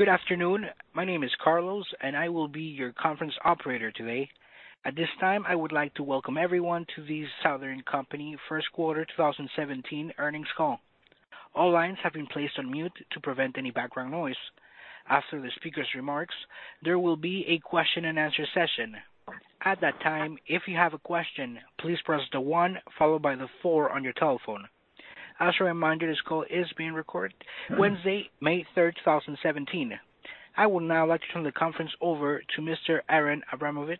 Good afternoon. My name is Carlos, I will be your conference operator today. At this time, I would like to welcome everyone to the Southern Company first quarter 2017 earnings call. All lines have been placed on mute to prevent any background noise. After the speaker's remarks, there will be a question-and-answer session. At that time, if you have a question, please press the one followed by the four on your telephone. As a reminder, this call is being recorded Wednesday, May 3, 2017. I would now like to turn the conference over to Mr. Aaron Abramovitz,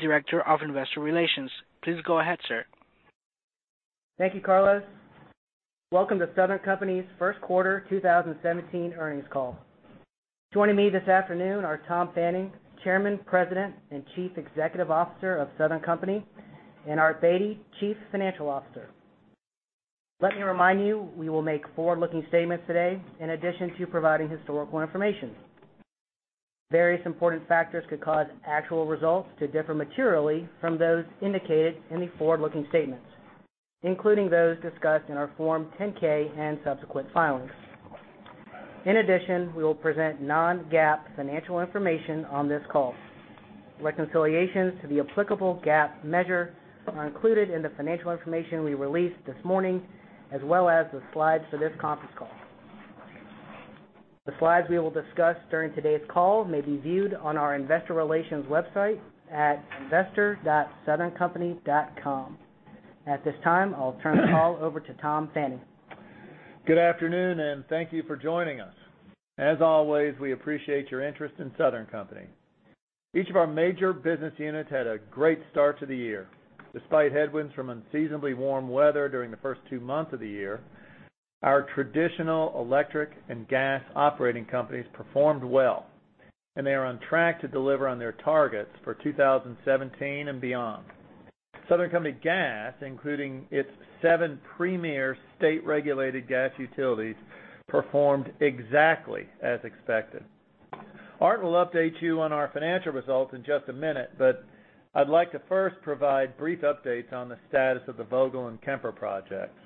Director of Investor Relations. Please go ahead, sir. Thank you, Carlos. Welcome to Southern Company's first quarter 2017 earnings call. Joining me this afternoon are Tom Fanning, Chairman, President, and Chief Executive Officer of Southern Company, Art Beattie, Chief Financial Officer. Let me remind you, we will make forward-looking statements today in addition to providing historical information. Various important factors could cause actual results to differ materially from those indicated in the forward-looking statements, including those discussed in our Form 10-K and subsequent filings. In addition, we will present non-GAAP financial information on this call. Reconciliations to the applicable GAAP measure are included in the financial information we released this morning as well as the slides for this conference call. The slides we will discuss during today's call may be viewed on our investor relations website at investor.southerncompany.com. At this time, I'll turn the call over to Tom Fanning. Good afternoon. Thank you for joining us. As always, we appreciate your interest in Southern Company. Each of our major business units had a great start to the year. Despite headwinds from unseasonably warm weather during the first two months of the year, our traditional electric and gas operating companies performed well, they are on track to deliver on their targets for 2017 and beyond. Southern Company Gas, including its seven premier state-regulated gas utilities, performed exactly as expected. Art will update you on our financial results in just a minute, I'd like to first provide brief updates on the status of the Vogtle and Kemper projects.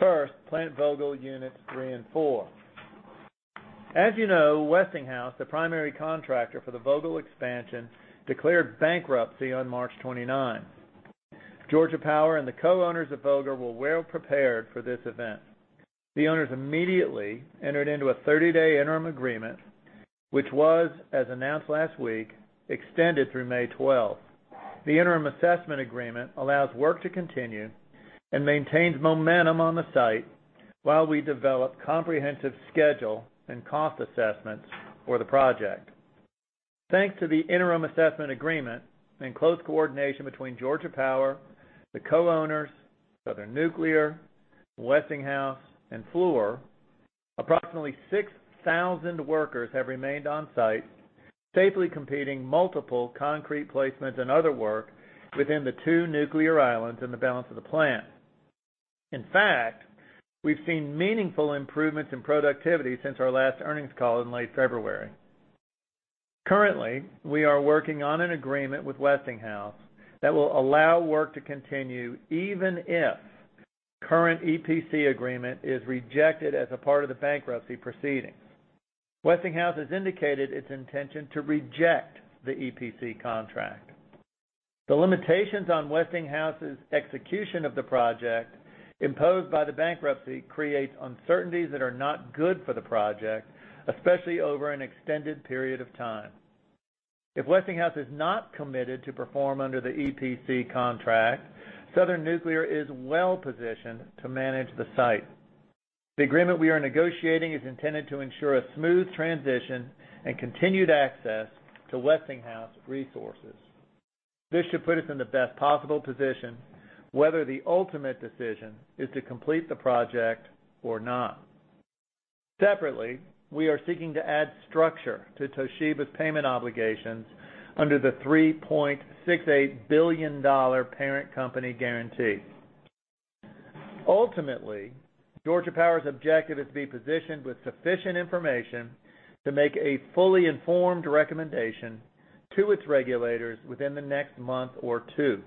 First, Plant Vogtle Units 3 and 4. As you know, Westinghouse, the primary contractor for the Vogtle expansion, declared bankruptcy on March 29. Georgia Power and the co-owners of Vogtle were well-prepared for this event. The owners immediately entered into a 30-day interim agreement, which was, as announced last week, extended through May 12. The interim assessment agreement allows work to continue maintains momentum on the site while we develop comprehensive schedule and cost assessments for the project. Thanks to the interim assessment agreement, in close coordination between Georgia Power, the co-owners, Southern Nuclear, Westinghouse, Fluor, approximately 6,000 workers have remained on site, safely completing multiple concrete placements and other work within the two nuclear islands in the balance of the plant. In fact, we've seen meaningful improvements in productivity since our last earnings call in late February. Currently, we are working on an agreement with Westinghouse that will allow work to continue even if the current EPC agreement is rejected as a part of the bankruptcy proceedings. Westinghouse has indicated its intention to reject the EPC contract. The limitations on Westinghouse's execution of the project imposed by the bankruptcy create uncertainties that are not good for the project, especially over an extended period of time. If Westinghouse is not committed to perform under the EPC contract, Southern Nuclear is well-positioned to manage the site. The agreement we are negotiating is intended to ensure a smooth transition and continued access to Westinghouse resources. This should put us in the best possible position whether the ultimate decision is to complete the project or not. Separately, we are seeking to add structure to Toshiba's payment obligations under the $3.68 billion parent company guarantee. Ultimately, Georgia Power's objective is to be positioned with sufficient information to make a fully informed recommendation to its regulators within the next month or two.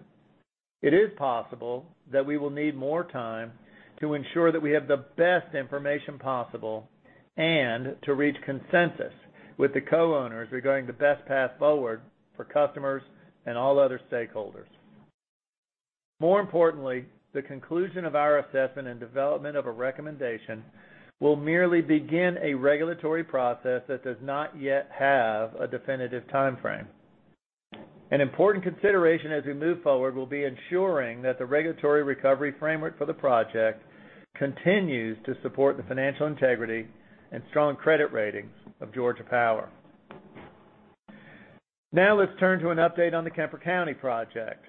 It is possible that we will need more time to ensure that we have the best information possible and to reach consensus with the co-owners regarding the best path forward for customers and all other stakeholders. More importantly, the conclusion of our assessment and development of a recommendation will merely begin a regulatory process that does not yet have a definitive timeframe. An important consideration as we move forward will be ensuring that the regulatory recovery framework for the project continues to support the financial integrity and strong credit ratings of Georgia Power. Now let's turn to an update on the Kemper County project.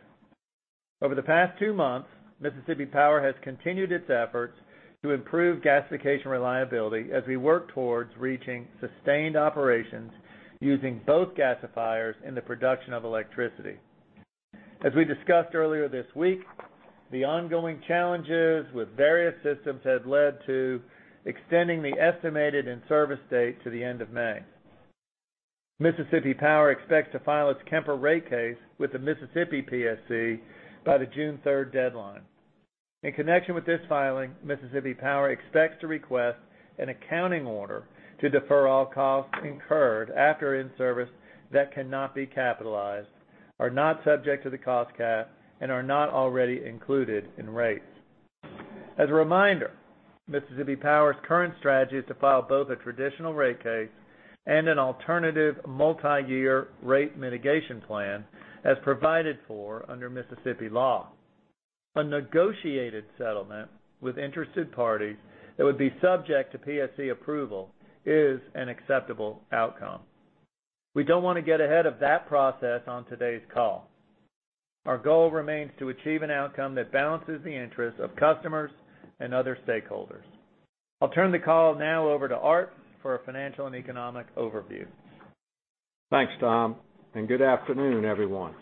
Over the past two months, Mississippi Power has continued its efforts to improve gasification reliability as we work towards reaching sustained operations using both gasifiers in the production of electricity. As we discussed earlier this week, the ongoing challenges with various systems have led to extending the estimated in-service date to the end of May. Mississippi Power expects to file its Kemper rate case with the Mississippi PSC by the June 3rd deadline. In connection with this filing, Mississippi Power expects to request an accounting order to defer all costs incurred after in-service that cannot be capitalized, are not subject to the cost cap, and are not already included in rates. As a reminder, Mississippi Power's current strategy is to file both a traditional rate case and an alternative multi-year rate mitigation plan as provided for under Mississippi law. A negotiated settlement with interested parties that would be subject to PSC approval is an acceptable outcome. We don't want to get ahead of that process on today's call. Our goal remains to achieve an outcome that balances the interests of customers and other stakeholders. I'll turn the call now over to Art for a financial and economic overview. Thanks, Tom, and good afternoon, everyone.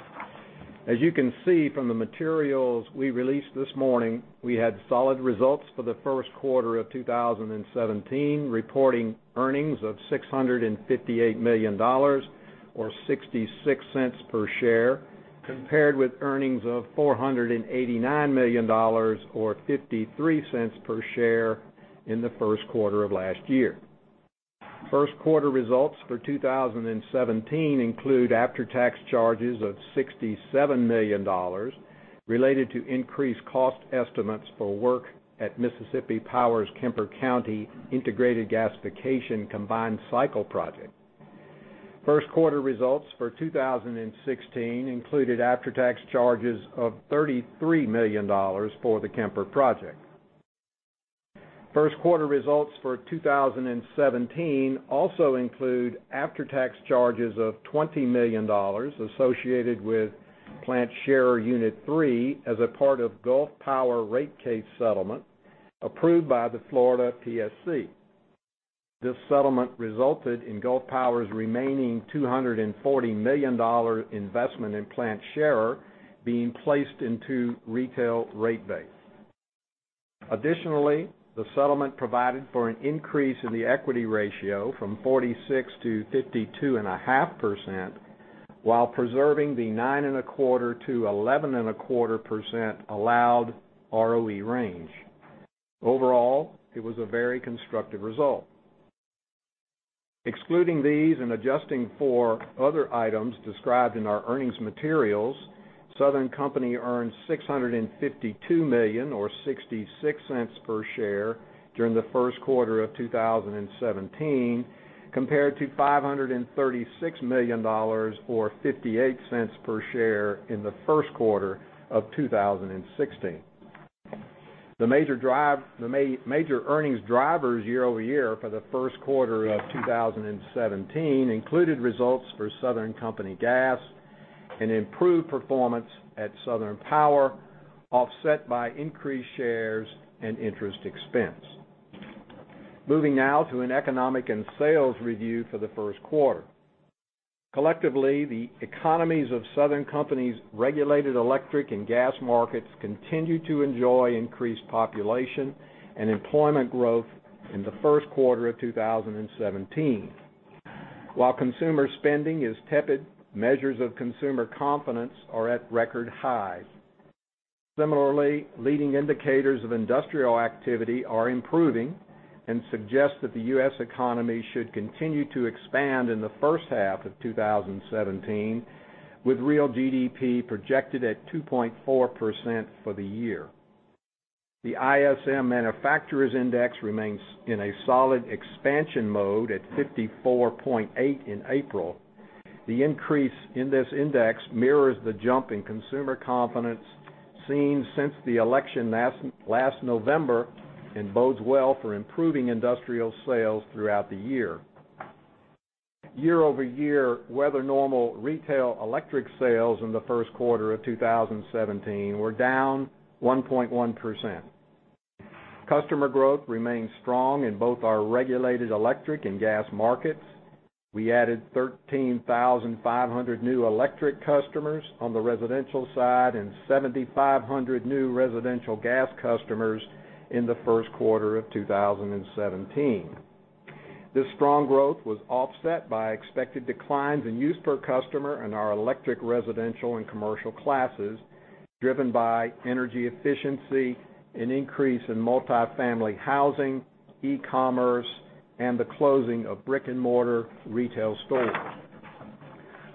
As you can see from the materials we released this morning, we had solid results for the first quarter of 2017, reporting earnings of $658 million or $0.66 per share, compared with earnings of $489 million or $0.53 per share in the first quarter of last year. First quarter results for 2017 include after-tax charges of $67 million related to increased cost estimates for work at Mississippi Power's Kemper County integrated gasification combined cycle project. First quarter results for 2016 included after-tax charges of $33 million for the Kemper project. First quarter results for 2017 also include after-tax charges of $20 million associated with Plant Scherer Unit 3 as a part of Gulf Power rate case settlement approved by the Florida PSC. This settlement resulted in Gulf Power's remaining $240 million investment in Plant Scherer being placed into retail rate base. Additionally, the settlement provided for an increase in the equity ratio from 46%-52.5% while preserving the 9.25%-11.25% allowed ROE range. Overall, it was a very constructive result. Excluding these and adjusting for other items described in our earnings materials, Southern Company earned $652 million or $0.66 per share during the first quarter of 2017, compared to $536 million or $0.58 per share in the first quarter of 2016. The major earnings drivers year-over-year for the first quarter of 2017 included results for Southern Company Gas, an improved performance at Southern Power, offset by increased shares and interest expense. Moving now to an economic and sales review for the first quarter. Collectively, the economies of Southern Company's regulated electric and gas markets continued to enjoy increased population and employment growth in the first quarter of 2017. While consumer spending is tepid, measures of consumer confidence are at record highs. Similarly, leading indicators of industrial activity are improving and suggest that the U.S. economy should continue to expand in the first half of 2017, with real GDP projected at 2.4% for the year. The ISM Manufacturing Index remains in a solid expansion mode at 54.8 in April. The increase in this index mirrors the jump in consumer confidence seen since the election last November and bodes well for improving industrial sales throughout the year. Year-over-year, weather-normal retail electric sales in the first quarter of 2017 were down 1.1%. Customer growth remains strong in both our regulated electric and gas markets. We added 13,500 new electric customers on the residential side and 7,500 new residential gas customers in the first quarter of 2017. This strong growth was offset by expected declines in use per customer in our electric residential and commercial classes, driven by energy efficiency, an increase in multi-family housing, e-commerce, and the closing of brick-and-mortar retail stores.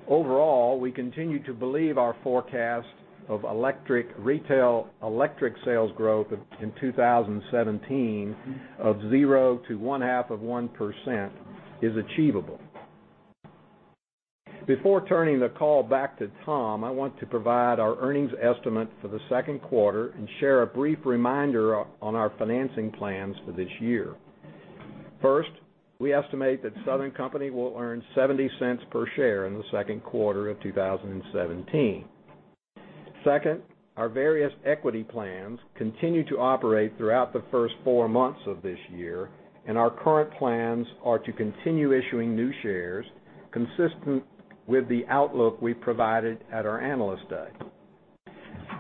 Overall, we continue to believe our forecast of retail electric sales growth in 2017 of 0%-1.5% is achievable. Before turning the call back to Tom, I want to provide our earnings estimate for the second quarter and share a brief reminder on our financing plans for this year. First, we estimate that Southern Company will earn $0.70 per share in the second quarter of 2017. Second, our various equity plans continue to operate throughout the first four months of this year, and our current plans are to continue issuing new shares consistent with the outlook we provided at our Analyst Day.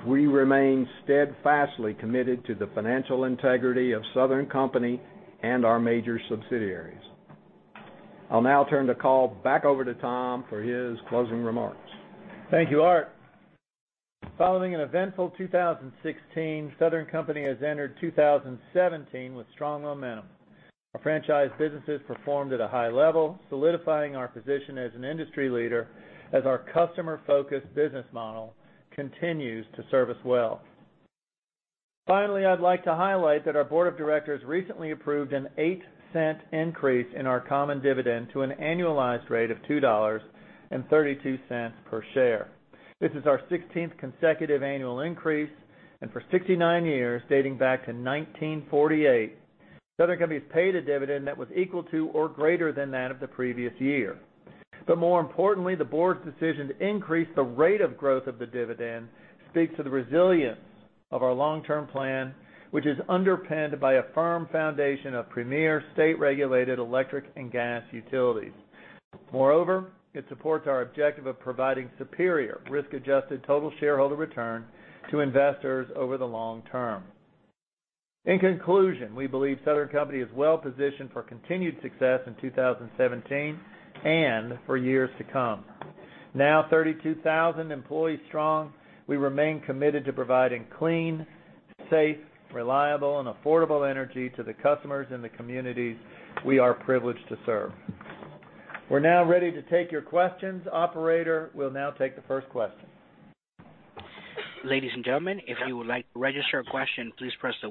We remain steadfastly committed to the financial integrity of Southern Company and our major subsidiaries. I'll now turn the call back over to Tom for his closing remarks. Thank you, Art. Following an eventful 2016, Southern Company has entered 2017 with strong momentum. Our franchise businesses performed at a high level, solidifying our position as an industry leader as our customer-focused business model continues to serve us well. Finally, I'd like to highlight that our board of directors recently approved an $0.08 increase in our common dividend to an annualized rate of $2.32 per share. This is our 16th consecutive annual increase, and for 69 years, dating back to 1948, Southern Company's paid a dividend that was equal to or greater than that of the previous year. More importantly, the board's decision to increase the rate of growth of the dividend speaks to the resilience of our long-term plan, which is underpinned by a firm foundation of premier state-regulated electric and gas utilities. Moreover, it supports our objective of providing superior risk-adjusted total shareholder return to investors over the long term. In conclusion, we believe Southern Company is well-positioned for continued success in 2017 and for years to come. Now 32,000 employees strong, we remain committed to providing clean, safe, reliable, and affordable energy to the customers and the communities we are privileged to serve. We're now ready to take your questions. Operator, we'll now take the first question. Ladies and gentlemen, if you would like to register a question, please press the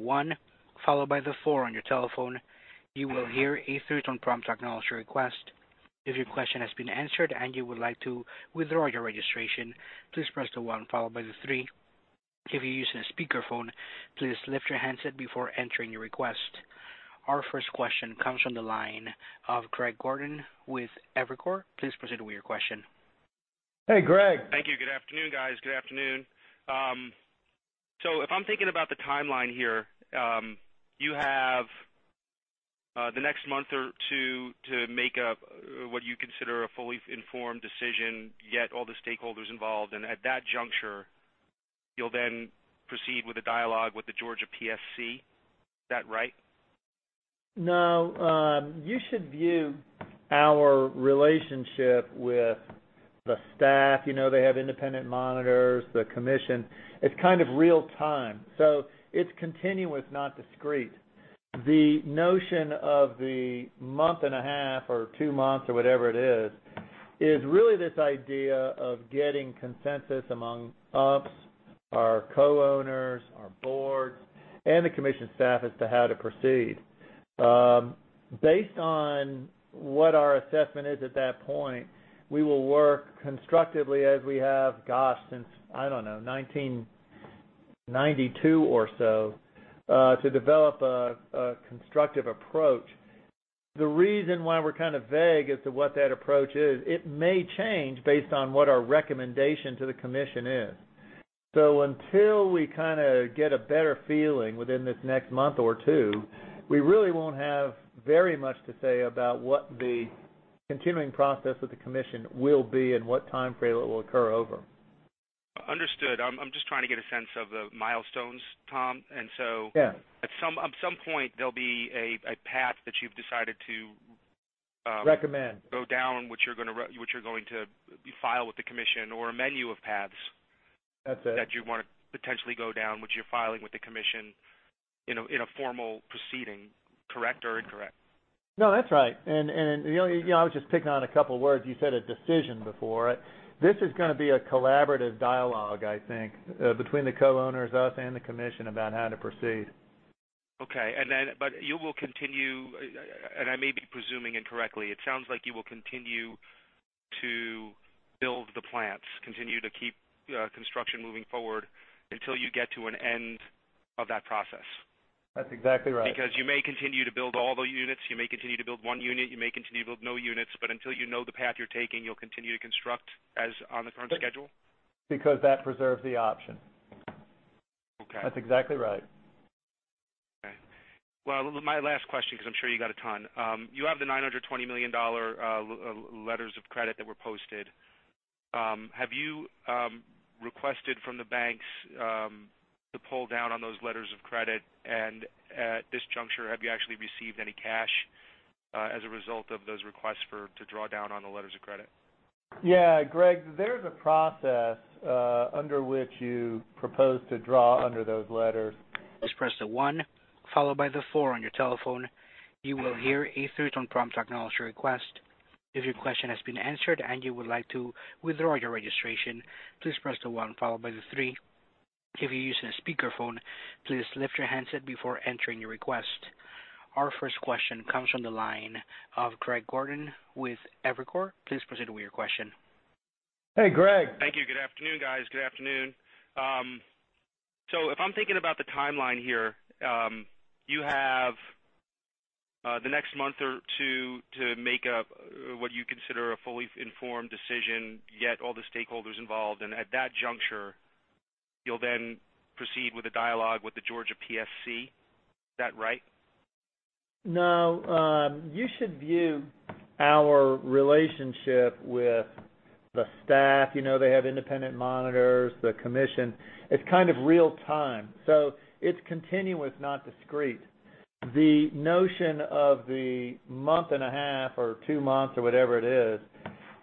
one followed by the four on your telephone. You will hear a three-tone prompt to acknowledge your request. If your question has been answered and you would like to withdraw your registration, please press the one followed by the three. If you're using a speakerphone, please lift your handset before entering your request. Our first question comes from the line of Greg Gordon with Evercore. Please proceed with your question. Hey, Greg. Thank you. Good afternoon, guys. Good afternoon. If I'm thinking about the timeline here, you have the next month or two to make up what you consider a fully informed decision, get all the stakeholders involved, and at that juncture, you'll then proceed with the dialogue with the Georgia PSC. Is that right? No. You should view our relationship with the staff, they have independent monitors, the commission, it's kind of real time. It's continuous, not discreet. The notion of the month and a half or two months or whatever it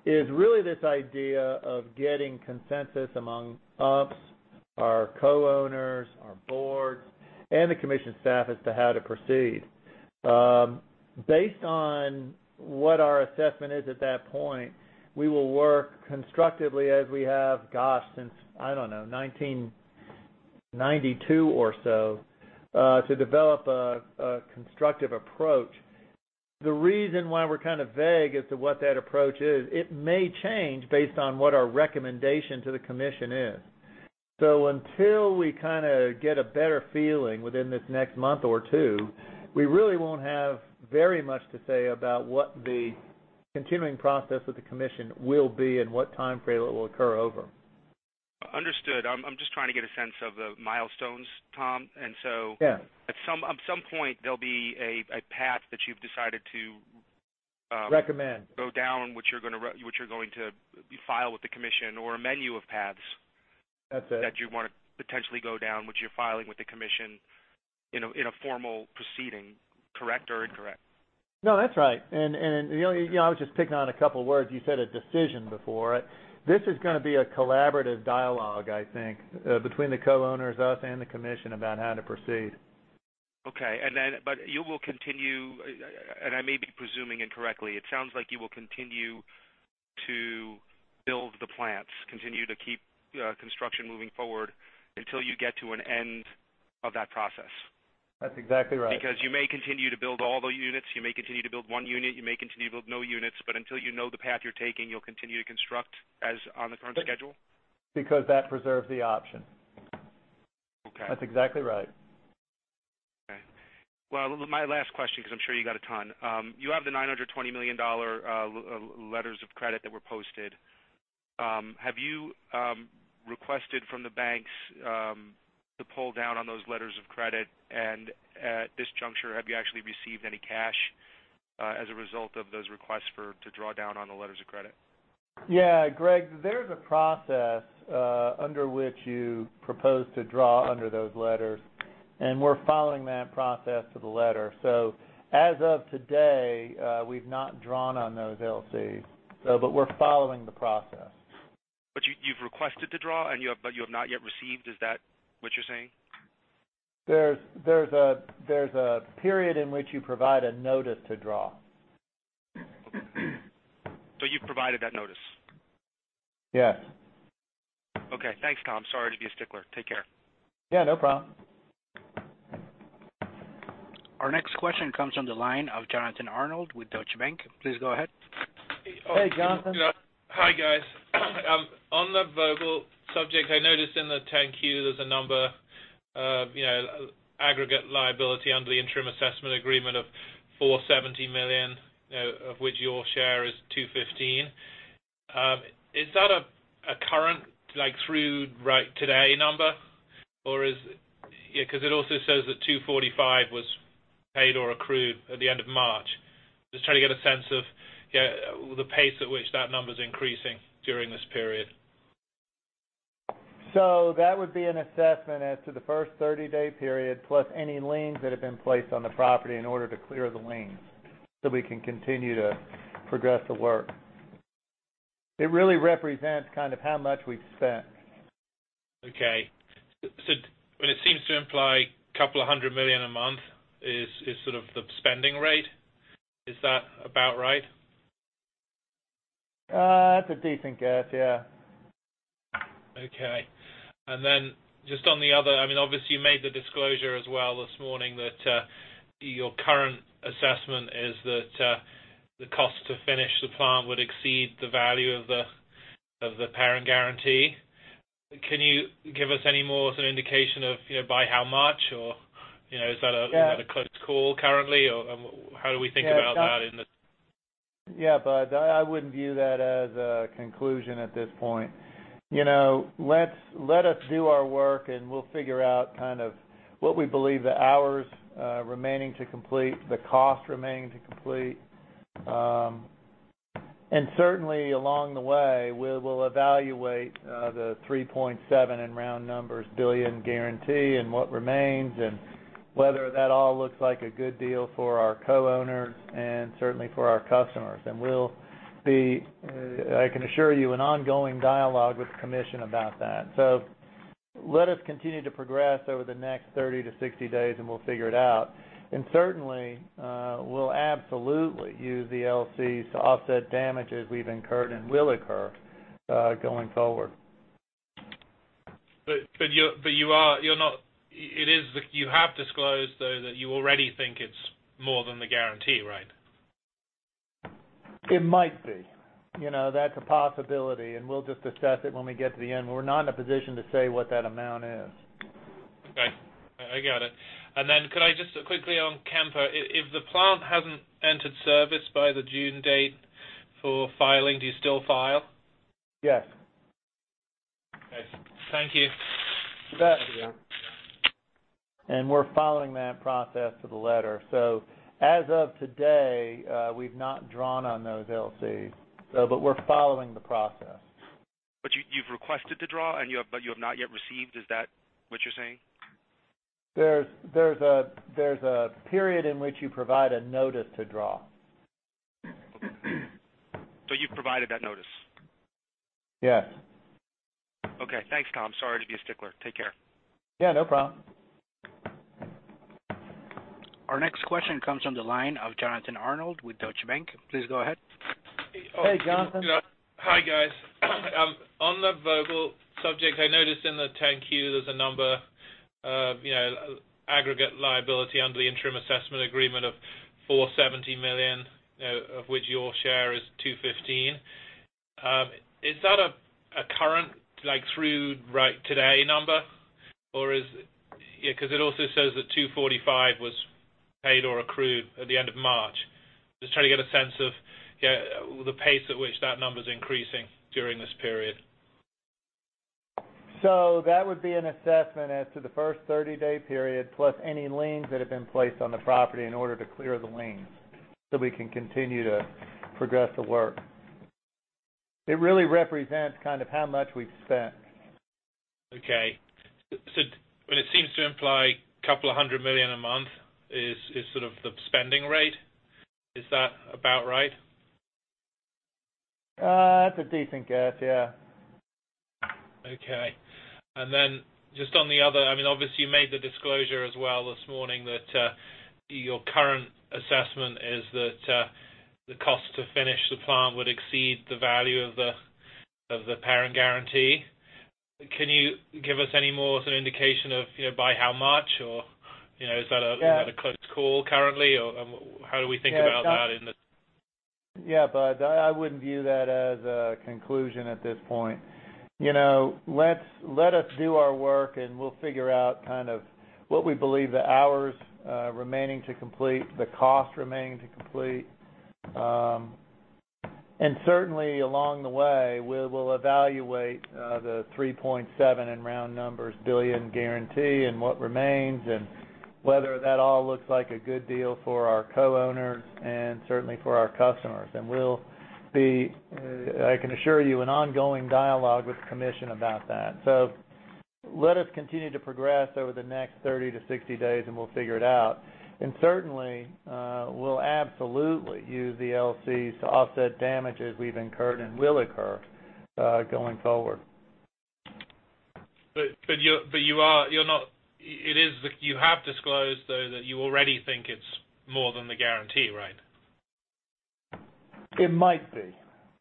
is really this idea of getting consensus among us, our co-owners, our boards, and the commission staff as to how to proceed. Based on what our assessment is at that point, we will work constructively as we have, gosh, since, I don't know, 1992 or so, to develop a constructive approach. The reason why we're kind of vague as to what that approach is, it may change based on what our recommendation to the commission is. Until we get a better feeling within this next month or two, we really won't have very much to say about what the continuing process with the commission will be and what time frame it will occur over. Understood. I'm just trying to get a sense of the milestones, Tom. Yeah. At some point, there'll be a path that you've decided to. Recommend Go down, which you're going That's it that you want to potentially go down, which you're filing with the commission in a formal proceeding. Correct or incorrect? No, that's right. I was just picking on a couple words. You said a decision before. This is going to be a collaborative dialogue, I think, between the co-owners, us, and the commission about how to proceed. Okay. You will continue, and I may be presuming incorrectly, it sounds like you will continue to build the plants, continue to keep construction moving forward until you get to an end of that process. That's exactly right. You may continue to build all the units, you may continue to build one unit, you may continue to build no units, but until you know the path you're taking, you'll continue to construct as on the current schedule? That preserves the option. Okay. That's exactly right. Okay. Well, my last question, because I'm sure you got a ton. You have the $920 million Letters of Credit that were posted. Have you requested from the banks to pull down on those Letters of Credit? At this juncture, have you actually received any cash as a result of those requests to draw down on the Letters of Credit? Yeah, Greg, there's a process under which you propose to draw under those Letters, we're following that process to the letter. As of today, we've not drawn on those LCs. We're following the process. You've requested to draw, you have not yet received. Is that what you're saying? There's a period in which you provide a notice to draw. Okay. You've provided that notice? Yes. Okay. Thanks, Tom. Sorry to be a stickler. Take care. Yeah, no problem. Our next question comes from the line of Jonathan Arnold with Deutsche Bank. Please go ahead. Hey, Jonathan. Hi, guys. On the Vogtle subject, I noticed in the 10-Q, there's a number of aggregate liability under the interim assessment agreement of $470 million, of which your share is $215. Is that a current, like through today number? It also says that $245 was paid or accrued at the end of March. Just trying to get a sense of the pace at which that number's increasing during this period. That would be an assessment as to the first 30-day period, plus any liens that have been placed on the property in order to clear the liens so we can continue to progress the work. It really represents kind of how much we've spent. Okay. It seems to imply a couple of hundred million a month is sort of the spending rate. Is that about right? That's a decent guess, yeah. Okay. Just on the other, obviously you made the disclosure as well this morning that your current assessment is that the cost to finish the plant would exceed the value of the parent guarantee. Can you give us any more sort of indication of by how much, or is that a close call currently, or how do we think about that in the- Yeah, bud. I wouldn't view that as a conclusion at this point. Let us do our work and we'll figure out kind of what we believe the hours remaining to complete, the cost remaining to complete. Certainly along the way, we'll evaluate the $3.7 billion guarantee and what remains, and whether that all looks like a good deal for our co-owners and certainly for our customers. We'll be, I can assure you, in ongoing dialogue with the commission about that. Let us continue to progress over the next 30 to 60 days and we'll figure it out. Certainly, we'll absolutely use the LCs to offset damages we've incurred and will occur going forward. You have disclosed, though, that you already think it's more than the guarantee, right? It might be. That's a possibility, and we'll just assess it when we get to the end. We're not in a position to say what that amount is. Okay. I got it. Then could I just quickly on Kemper. If the plant hasn't entered service by the June date for filing, do you still file? Yes. Thank you. You bet. Thank you. We're following that process to the letter. As of today, we've not drawn on those LCs, we're following the process. You've requested to draw, you have not yet received. Is that what you're saying? There's a period in which you provide a notice to draw. You've provided that notice? Yes. Okay. Thanks, Tom. Sorry to be a stickler. Take care. Yeah, no problem. Our next question comes from the line of Jonathan Arnold with Deutsche Bank. Please go ahead. Hey, Jonathan. Hi, guys. On the Vogtle subject, I noticed in the 10-Q, there's a number of aggregate liability under the interim assessment agreement of $470 million, of which your share is $215 million. Is that a current, through right today number? Because it also says that $245 million was paid or accrued at the end of March. Just trying to get a sense of the pace at which that number's increasing during this period. That would be an assessment as to the first 30-day period, plus any liens that have been placed on the property in order to clear the liens so we can continue to progress the work. It really represents kind of how much we've spent. Okay. It seems to imply a couple of hundred million a month is sort of the spending rate. Is that about right? That's a decent guess, yeah. Okay. Just on the other, obviously, you made the disclosure as well this morning that your current assessment is that the cost to finish the plant would exceed the value of the parent guarantee. Can you give us any more sort of indication of by how much? Yeah. Is that a close call currently? How do we think about that? Yeah, I wouldn't view that as a conclusion at this point. Let us do our work and we'll figure out kind of what we believe the hours remaining to complete, the cost remaining to complete. Certainly along the way, we'll evaluate the $3.7 billion, in round numbers, guarantee and what remains, and whether that all looks like a good deal for our co-owners and certainly for our customers. We'll be, I can assure you, in ongoing dialogue with the commission about that. Let us continue to progress over the next 30-60 days and we'll figure it out. Certainly, we'll absolutely use the LCs to offset damages we've incurred and will occur going forward. You have disclosed, though, that you already think it's more than the guarantee, right? It might be.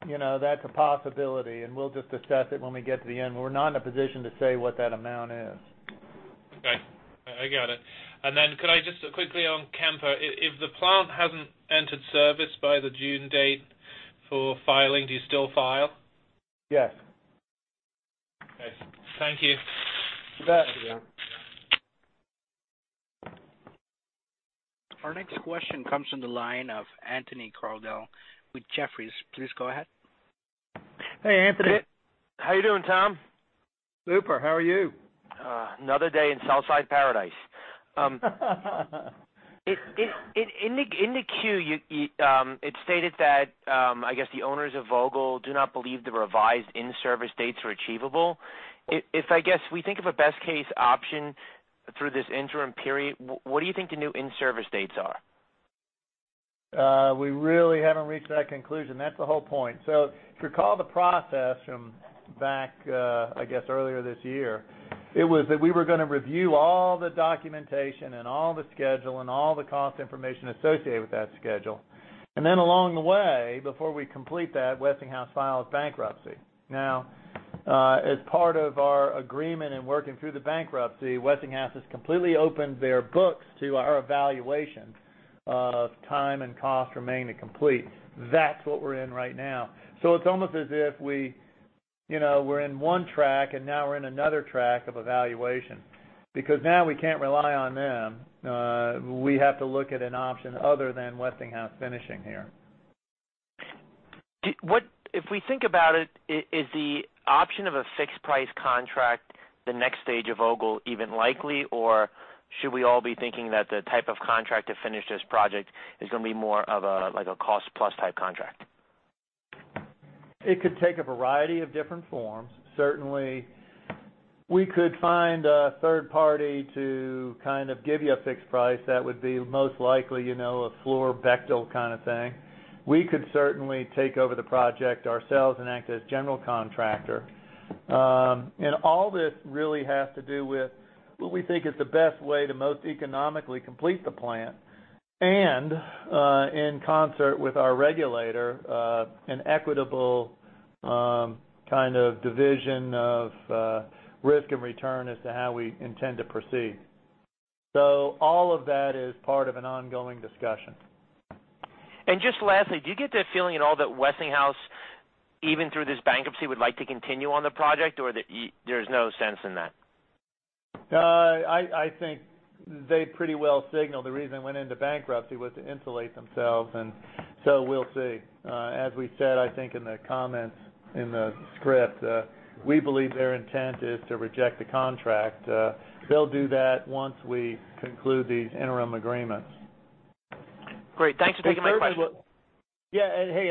That's a possibility, and we'll just assess it when we get to the end. We're not in a position to say what that amount is. Okay. I got it. Could I just quickly on Kemper, if the plant hasn't entered service by the June date for filing, do you still file? Yes. Okay. Thank you. You bet. Our next question comes from the line of Anthony Crowdell with Jefferies. Please go ahead. Hey, Anthony. How you doing, Tom? Super. How are you? Another day in Southside paradise. In the Q, it stated that, I guess the owners of Vogtle do not believe the revised in-service dates are achievable. If, I guess, we think of a best case option through this interim period, what do you think the new in-service dates are? We really haven't reached that conclusion. That's the whole point. If you recall the process from back, I guess, earlier this year, it was that we were going to review all the documentation and all the schedule and all the cost information associated with that schedule. Along the way, before we complete that, Westinghouse files bankruptcy. As part of our agreement in working through the bankruptcy, Westinghouse has completely opened their books to our evaluation of time and cost remaining to complete. That's what we're in right now. It's almost as if we were in one track, and now we're in another track of evaluation, because now we can't rely on them. We have to look at an option other than Westinghouse finishing here. If we think about it, is the option of a fixed price contract the next stage of Vogtle even likely? Or should we all be thinking that the type of contract to finish this project is going to be more of a cost-plus type contract? It could take a variety of different forms. Certainly, we could find a third party to kind of give you a fixed price that would be most likely a Fluor/Bechtel kind of thing. We could certainly take over the project ourselves and act as general contractor. All this really has to do with what we think is the best way to most economically complete the plant. In concert with our regulator, an equitable kind of division of risk and return as to how we intend to proceed. All of that is part of an ongoing discussion. Just lastly, do you get the feeling at all that Westinghouse, even through this bankruptcy, would like to continue on the project? Or there's no sense in that? I think they pretty well signaled the reason they went into bankruptcy was to insulate themselves, and so we'll see. As we said, I think in the comments in the script, we believe their intent is to reject the contract. They'll do that once we conclude these interim agreements. Great. Thanks for taking my question. Yeah. Hey,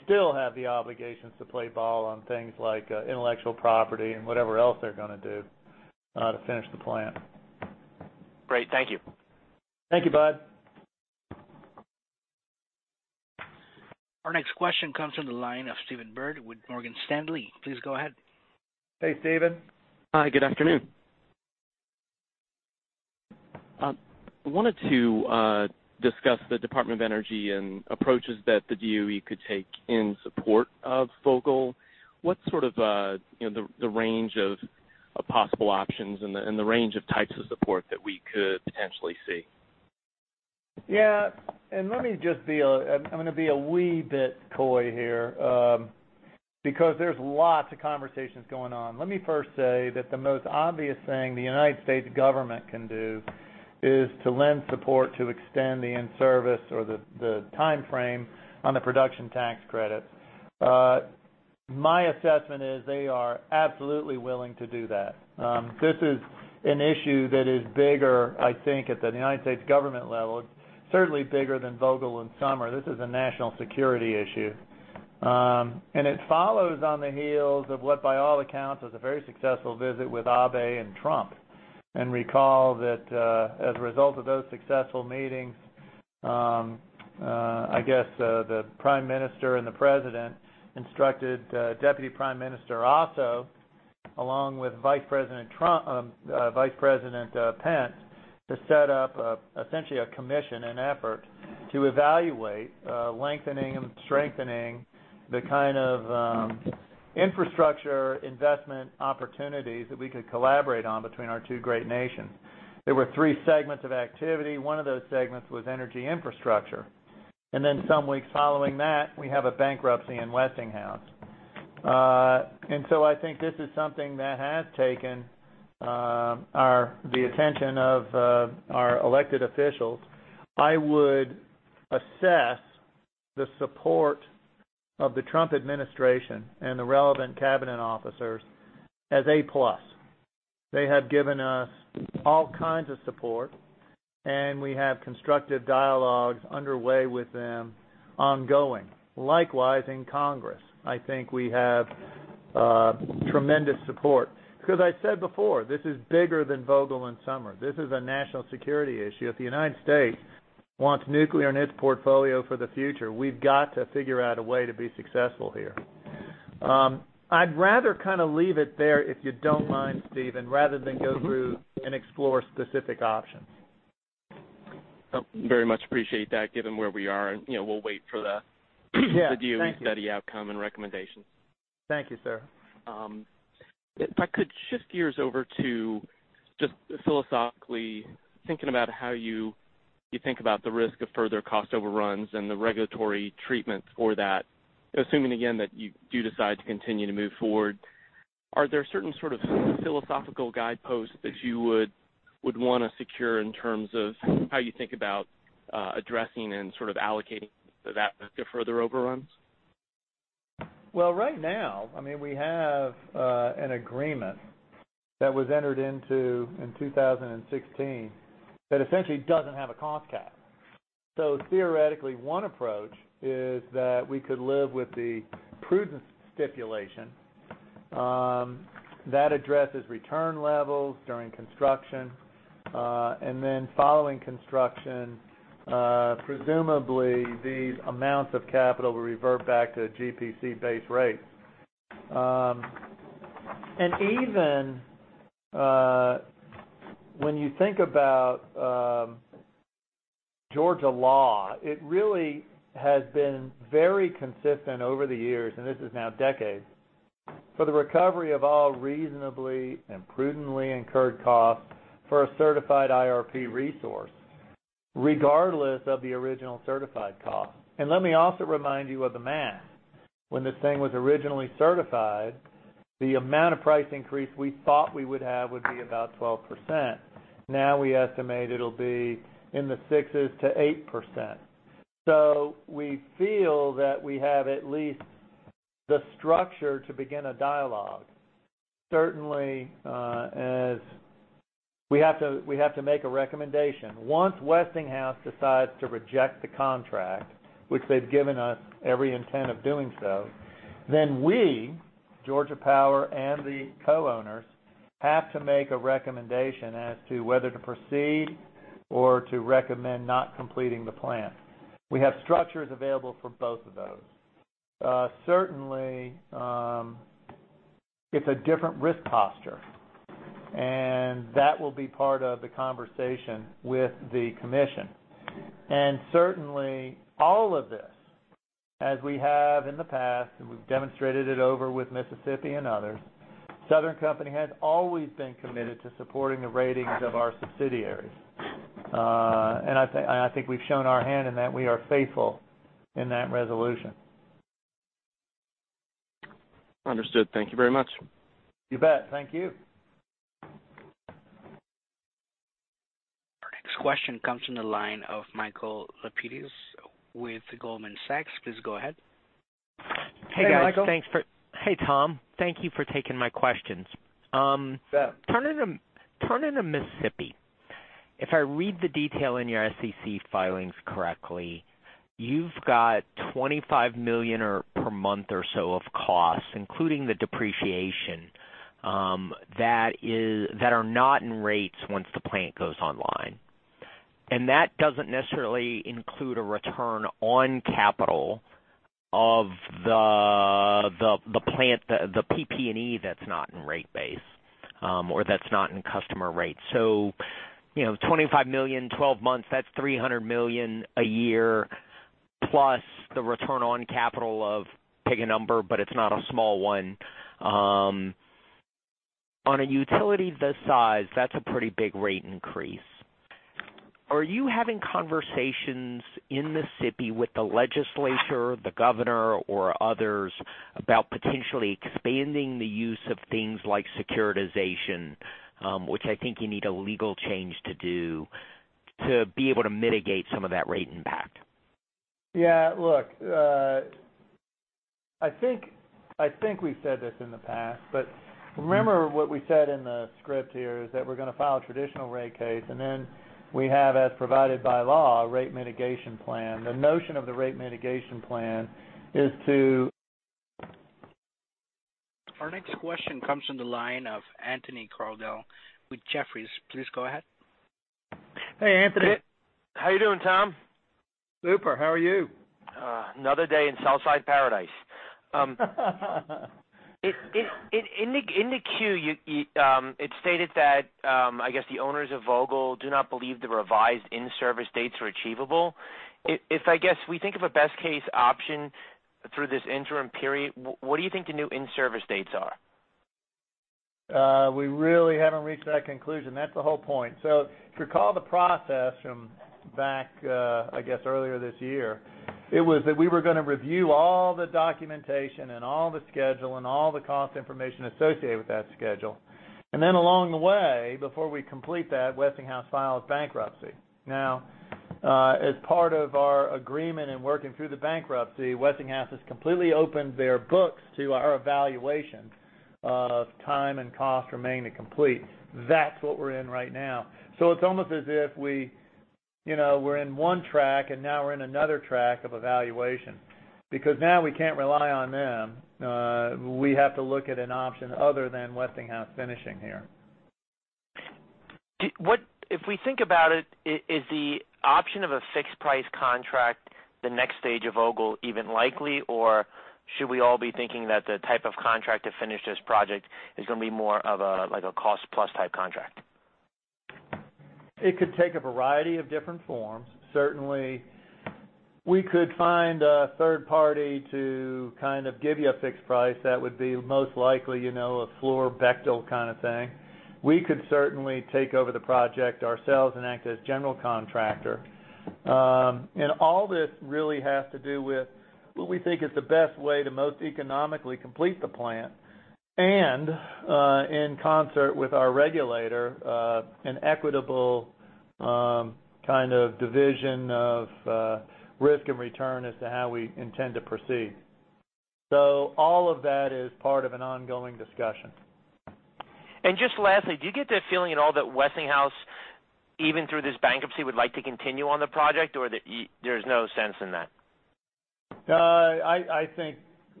Anthony, let me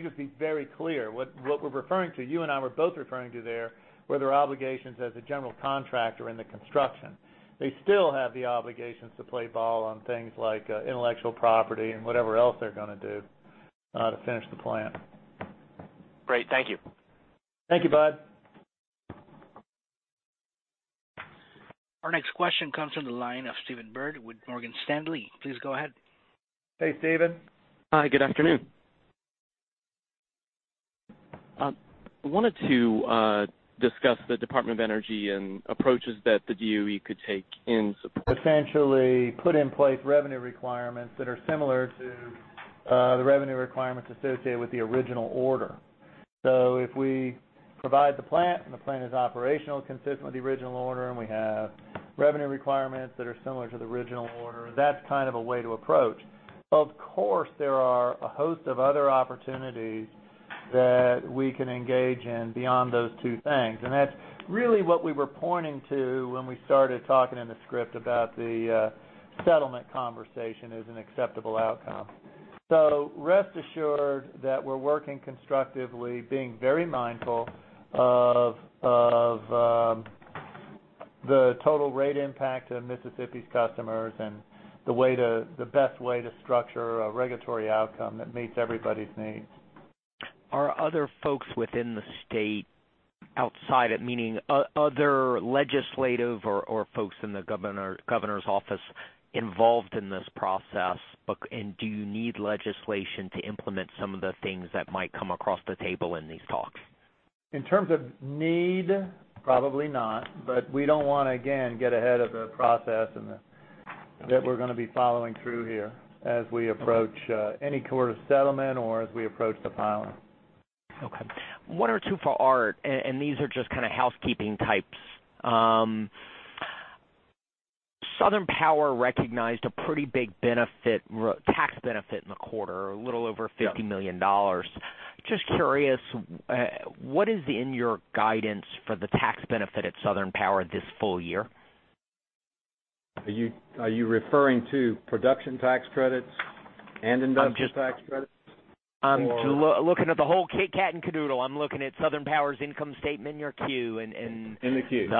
just be very clear. What we're referring to, you and I were both referring to there, were their obligations as a general contractor in the construction. They still have the obligations to play ball on things like intellectual property and whatever else they're going to do to finish the plant. Great. Thank you. Thank you, Bud. Our next question comes from the line of Stephen Byrd with Morgan Stanley. Please go ahead. Hey, Stephen. Hi, good afternoon. I wanted to that we can engage in beyond those two things. That's really what we were pointing to when we started talking in the script about the settlement conversation as an acceptable outcome. Rest assured that we're working constructively, being very mindful of the total rate impact of Mississippi's customers and the best way to structure a regulatory outcome that meets everybody's needs. Are other folks within the state, outside it, meaning other legislative or folks in the governor's office involved in this process? Do you need legislation to implement some of the things that might come across the table in these talks? In terms of need, probably not. We don't want to, again, get ahead of the process that we're going to be following through here as we approach any quarter settlement or as we approach the filing. Okay. One or two for Art. These are just kind of housekeeping types. Southern Power recognized a pretty big tax benefit in the quarter, a little over $50 million. Just curious, what is in your guidance for the tax benefit at Southern Power this full year? Are you referring to Production Tax Credits and Investment Tax Credits? I'm looking at the whole kit and caboodle. I'm looking at Southern Power's income statement in your queue. In the queue. Okay.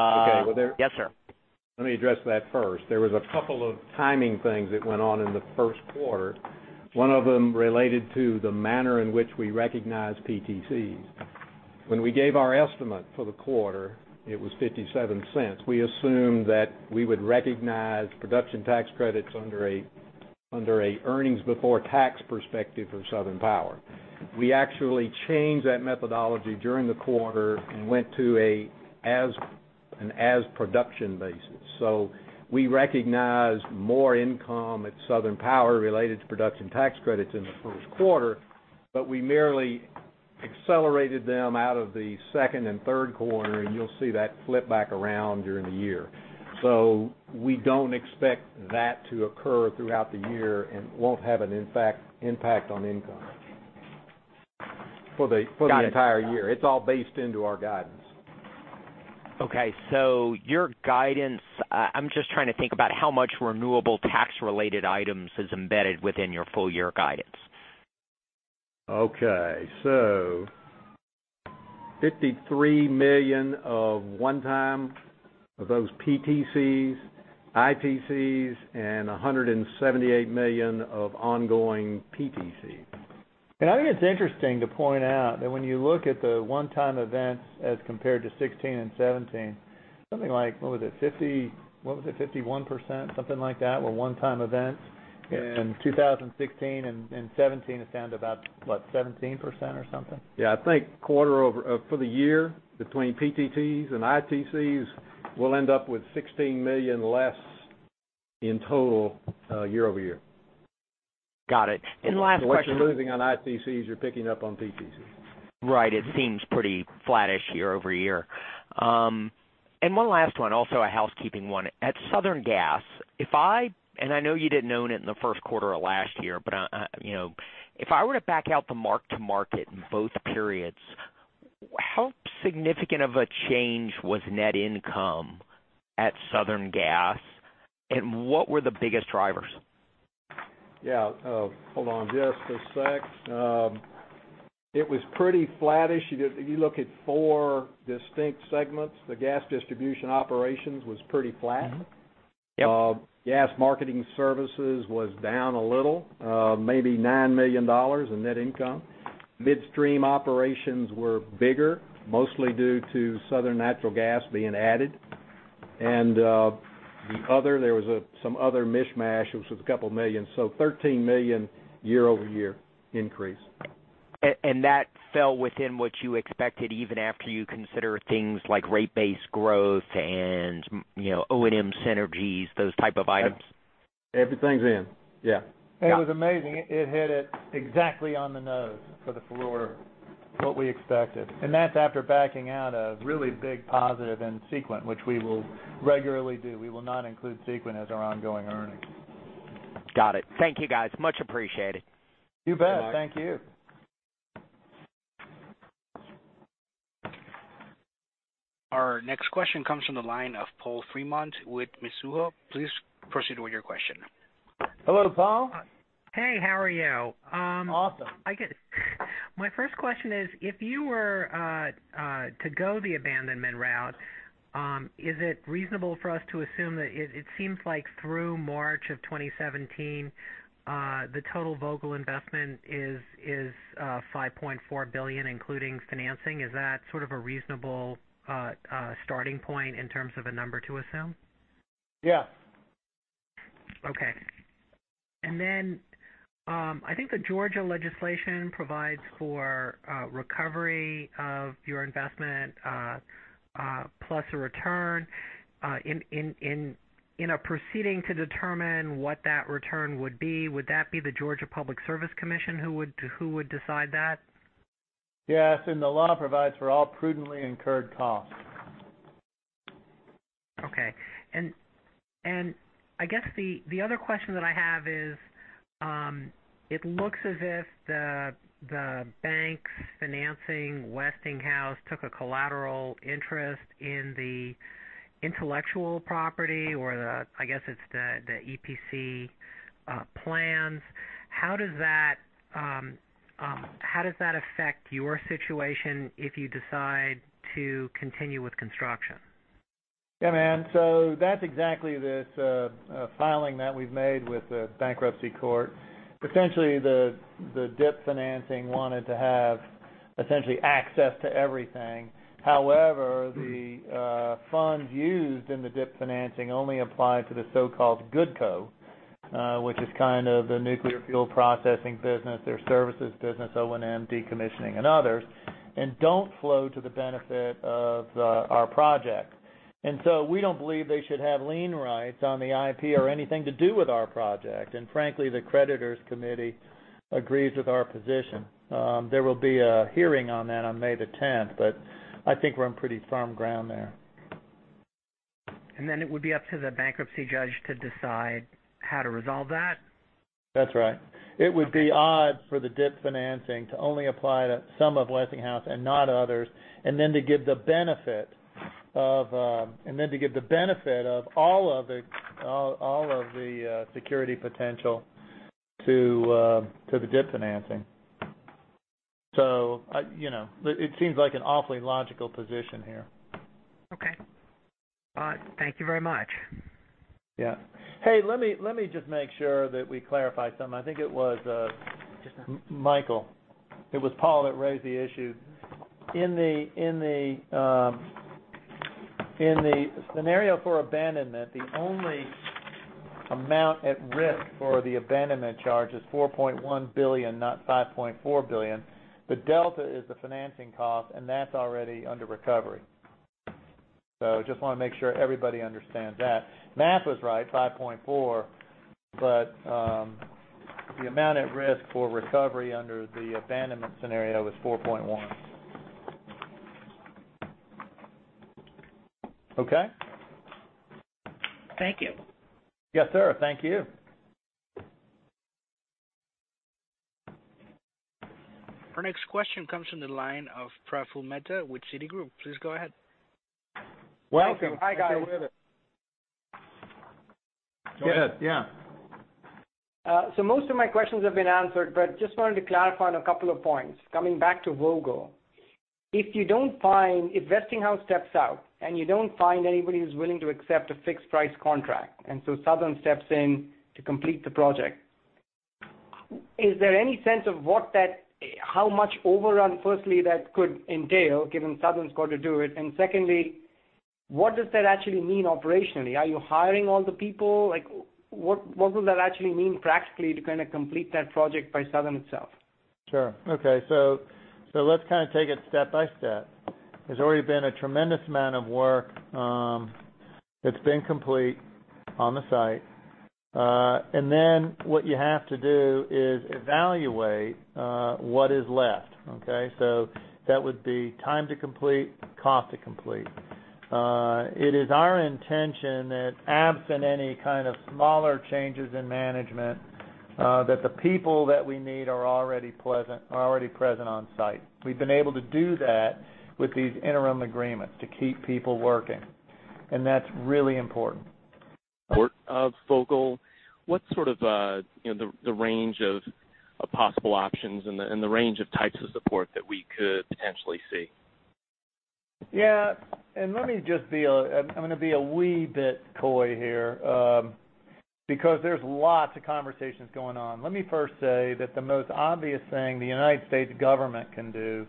Well, Yes, sir. Let me address that first. There was a couple of timing things that went on in the first quarter. One of them related to the manner in which we recognized PTCs. When we gave our estimate for the quarter, it was $0.57. We assumed that we would recognize Production Tax Credits under a earnings before tax perspective for Southern Power. We actually changed that methodology during the quarter and went to an as production basis. We recognized more income at Southern Power related to Production Tax Credits in the first quarter, but we merely accelerated them out of the second and third quarter, and you'll see that flip back around during the year. We don't expect that to occur throughout the year and won't have an impact on income for the entire year. It's all based into our guidance. Okay, your guidance, I'm just trying to think about how much renewable tax related items is embedded within your full year guidance. Okay. $53 million of one-time of those PTCs, ITCs, and $178 million of ongoing PTC. I think it's interesting to point out that when you look at the one-time events as compared to 2016 and 2017, something like, what was it, 51%, something like that, were one-time events. In 2016 and 2017, it's down to about what, 17% or something? Yeah, I think for the year between PTCs and ITCs, we'll end up with $16 million less in total year-over-year. Got it. Last question. What you're losing on ITCs, you're picking up on PTCs. Right. It seems pretty flattish year-over-year. One last one, also a housekeeping one. At Southern Company Gas, I know you didn't own it in the first quarter of last year, but if I were to back out the mark-to-market in both periods, how significant of a change was net income at Southern Company Gas, and what were the biggest drivers? Yeah. Hold on just a sec. It was pretty flattish. You look at four distinct segments. The gas distribution operations was pretty flat. Mm-hmm. Yep. Gas marketing services was down a little, maybe $9 million in net income. Midstream operations were bigger, mostly due to Southern Natural Gas being added. The other, there was some other mishmash, which was a couple million. $13 million year-over-year increase. That fell within what you expected even after you consider things like rate-based growth and O&M synergies, those type of items? Everything's in, yeah. It was amazing. It hit it exactly on the nose for the quarter, what we expected. That's after backing out a really big positive in Sequent, which we will regularly do. We will not include Sequent as our ongoing earnings. Got it. Thank you, guys. Much appreciated. You bet. Thank you. Our next question comes from the line of Paul Fremont with Mizuho. Please proceed with your question. Hello, Paul. Hey, how are you? Awesome. My first question is, if you were to go the abandonment route, is it reasonable for us to assume that it seems like through March 2017, the total Vogtle investment is $5.4 billion, including financing. Is that sort of a reasonable starting point in terms of a number to assume? Yeah. Okay. Then, I think the Georgia legislation provides for recovery of your investment, plus a return. In a proceeding to determine what that return would be, would that be the Georgia Public Service Commission who would decide that? Yes. The law provides for all prudently incurred costs. Okay. I guess the other question that I have is, it looks as if the banks financing Westinghouse took a collateral interest in the intellectual property or I guess it's the EPC plans. How does that affect your situation if you decide to continue with construction? Yeah, man. That's exactly this filing that we've made with the bankruptcy court. Essentially, the DIP financing wanted to have essentially access to everything. However, the funds used in the DIP financing only apply to the so-called GoodCo, which is kind of the nuclear fuel processing business, their services business, O&M, decommissioning, and others, and don't flow to the benefit of our project. We don't believe they should have lien rights on the IP or anything to do with our project. Frankly, the creditors' committee agrees with our position. There will be a hearing on that on May the 10th, I think we're on pretty firm ground there. It would be up to the bankruptcy judge to decide how to resolve that? That's right. It would be odd for the DIP financing to only apply to some of Westinghouse and not others, and then to give the benefit of all of the security potential to the DIP financing. It seems like an awfully logical position here. Okay. All right. Thank you very much. Yeah. Hey, let me just make sure that we clarify something. I think it was Michael. It was Paul that raised the issue. In the scenario for abandonment, the only amount at risk for the abandonment charge is $4.1 billion, not $5.4 billion. The delta is the financing cost, and that's already under recovery. Just want to make sure everybody understands that. Math was right, $5.4, but the amount at risk for recovery under the abandonment scenario is $4.1. Okay? Thank you. Yes, sir. Thank you. Our next question comes from the line of Praful Mehta with Citigroup. Please go ahead. Welcome. Hi, guys. Go ahead, yeah. Most of my questions have been answered, but just wanted to clarify on a couple of points. Coming back to Vogtle. If Westinghouse steps out and you don't find anybody who's willing to accept a fixed price contract, and so Southern steps in to complete the project, is there any sense of how much overrun, firstly, that could entail, given Southern's got to do it? Secondly, what does that actually mean operationally? Are you hiring all the people? What will that actually mean practically to complete that project by Southern itself? Sure. Okay. Let's take it step by step. There's already been a tremendous amount of work that's been complete on the site. What you have to do is evaluate what is left. Okay. That would be time to complete, cost to complete. It is our intention that absent any kind of smaller changes in management, that the people that we need are already present on-site. We've been able to do that with these interim agreements to keep people working, and that's really important. Of Vogtle, what's sort of the range of possible options and the range of types of support that we could potentially see? Yeah. I'm going to be a wee bit coy here, because there's lots of conversations going on. Let me first say that the most obvious thing the United States Government can do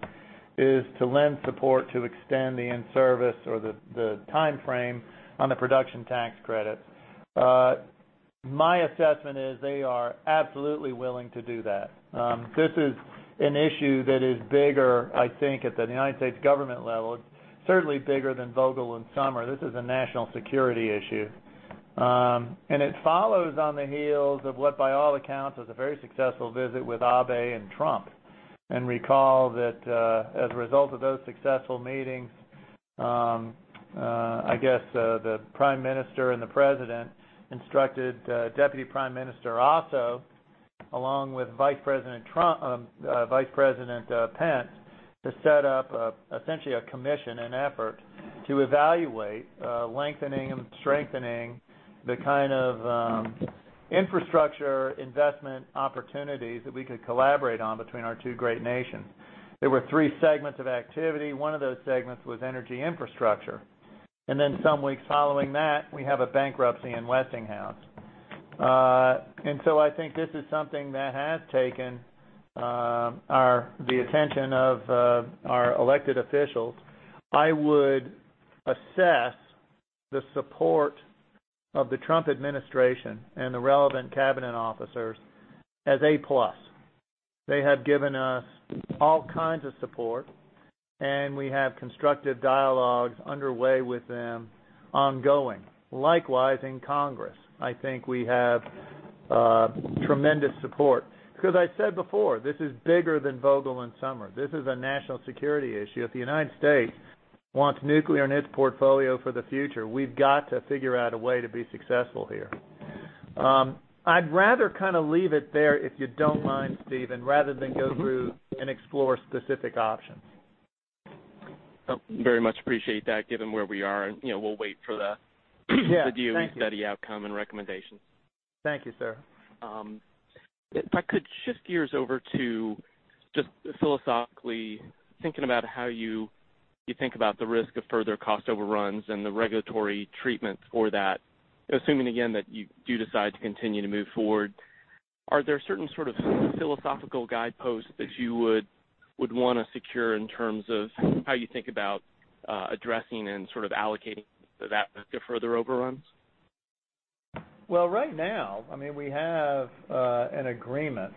is to lend support to extend the in-service or the timeframe on the Production Tax Credits. My assessment is they are absolutely willing to do that. This is an issue that is bigger, I think, at the United States Government level. It's certainly bigger than Vogtle and Summer. This is a national security issue. It follows on the heels of what, by all accounts, was a very successful visit with Abe and Trump. Recall that, as a result of those successful meetings, I guess, the Prime Minister and the President instructed Deputy Prime Minister Aso, along with Vice President Pence, to set up essentially a commission, an effort to evaluate lengthening and strengthening the kind of infrastructure investment opportunities that we could collaborate on between our two great nations. There were three segments of activity. One of those segments was energy infrastructure. Some weeks following that, we have a bankruptcy in Westinghouse. I think this is something that has taken the attention of our elected officials. I would assess the support of the Trump administration and the relevant cabinet officers as A+. They have given us all kinds of support, and we have constructive dialogues underway with them ongoing. Likewise, in Congress, I think we have tremendous support because I said before, this is bigger than Vogtle and Summer. This is a national security issue. If the United States wants nuclear in its portfolio for the future, we've got to figure out a way to be successful here. I'd rather kind of leave it there if you don't mind, Stephen, rather than go through and explore specific options. Very much appreciate that, given where we are. We'll wait for Yeah, thank you study outcome and recommendations. Thank you, sir. If I could shift gears over to just philosophically thinking about how you think about the risk of further cost overruns and the regulatory treatment for that, assuming again that you do decide to continue to move forward, are there certain sort of philosophical guideposts that you would want to secure in terms of how you think about addressing and allocating that risk of further overruns? Right now, we have an agreement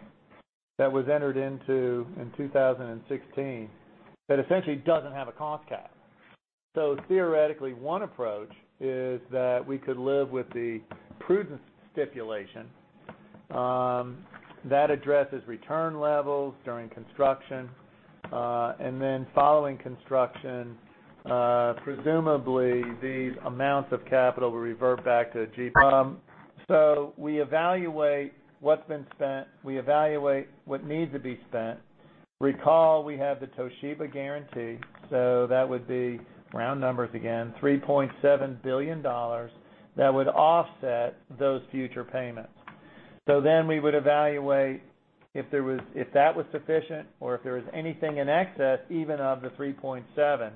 that was entered into in 2016 that essentially doesn't have a cost cap. Theoretically, one approach is that we could live with the prudence stipulation. That addresses return levels during construction. Following construction, presumably these amounts of capital will revert back to GPC O&M. We evaluate what's been spent, we evaluate what needs to be spent. Recall we have the Toshiba guarantee, so that would be, round numbers again, $3.7 billion that would offset those future payments. We would evaluate if that was sufficient or if there was anything in excess, even of the 3.7,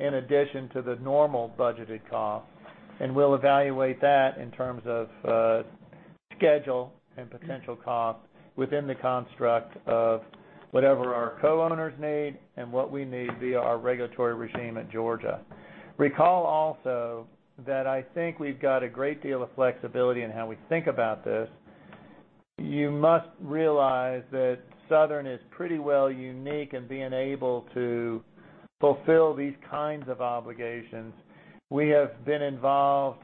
in addition to the normal budgeted cost. We'll evaluate that in terms of schedule and potential cost within the construct of whatever our co-owners need and what we need via our regulatory regime at Georgia. Recall also that I think we've got a great deal of flexibility in how we think about this. You must realize that Southern is pretty well unique in being able to fulfill these kinds of obligations. We have been involved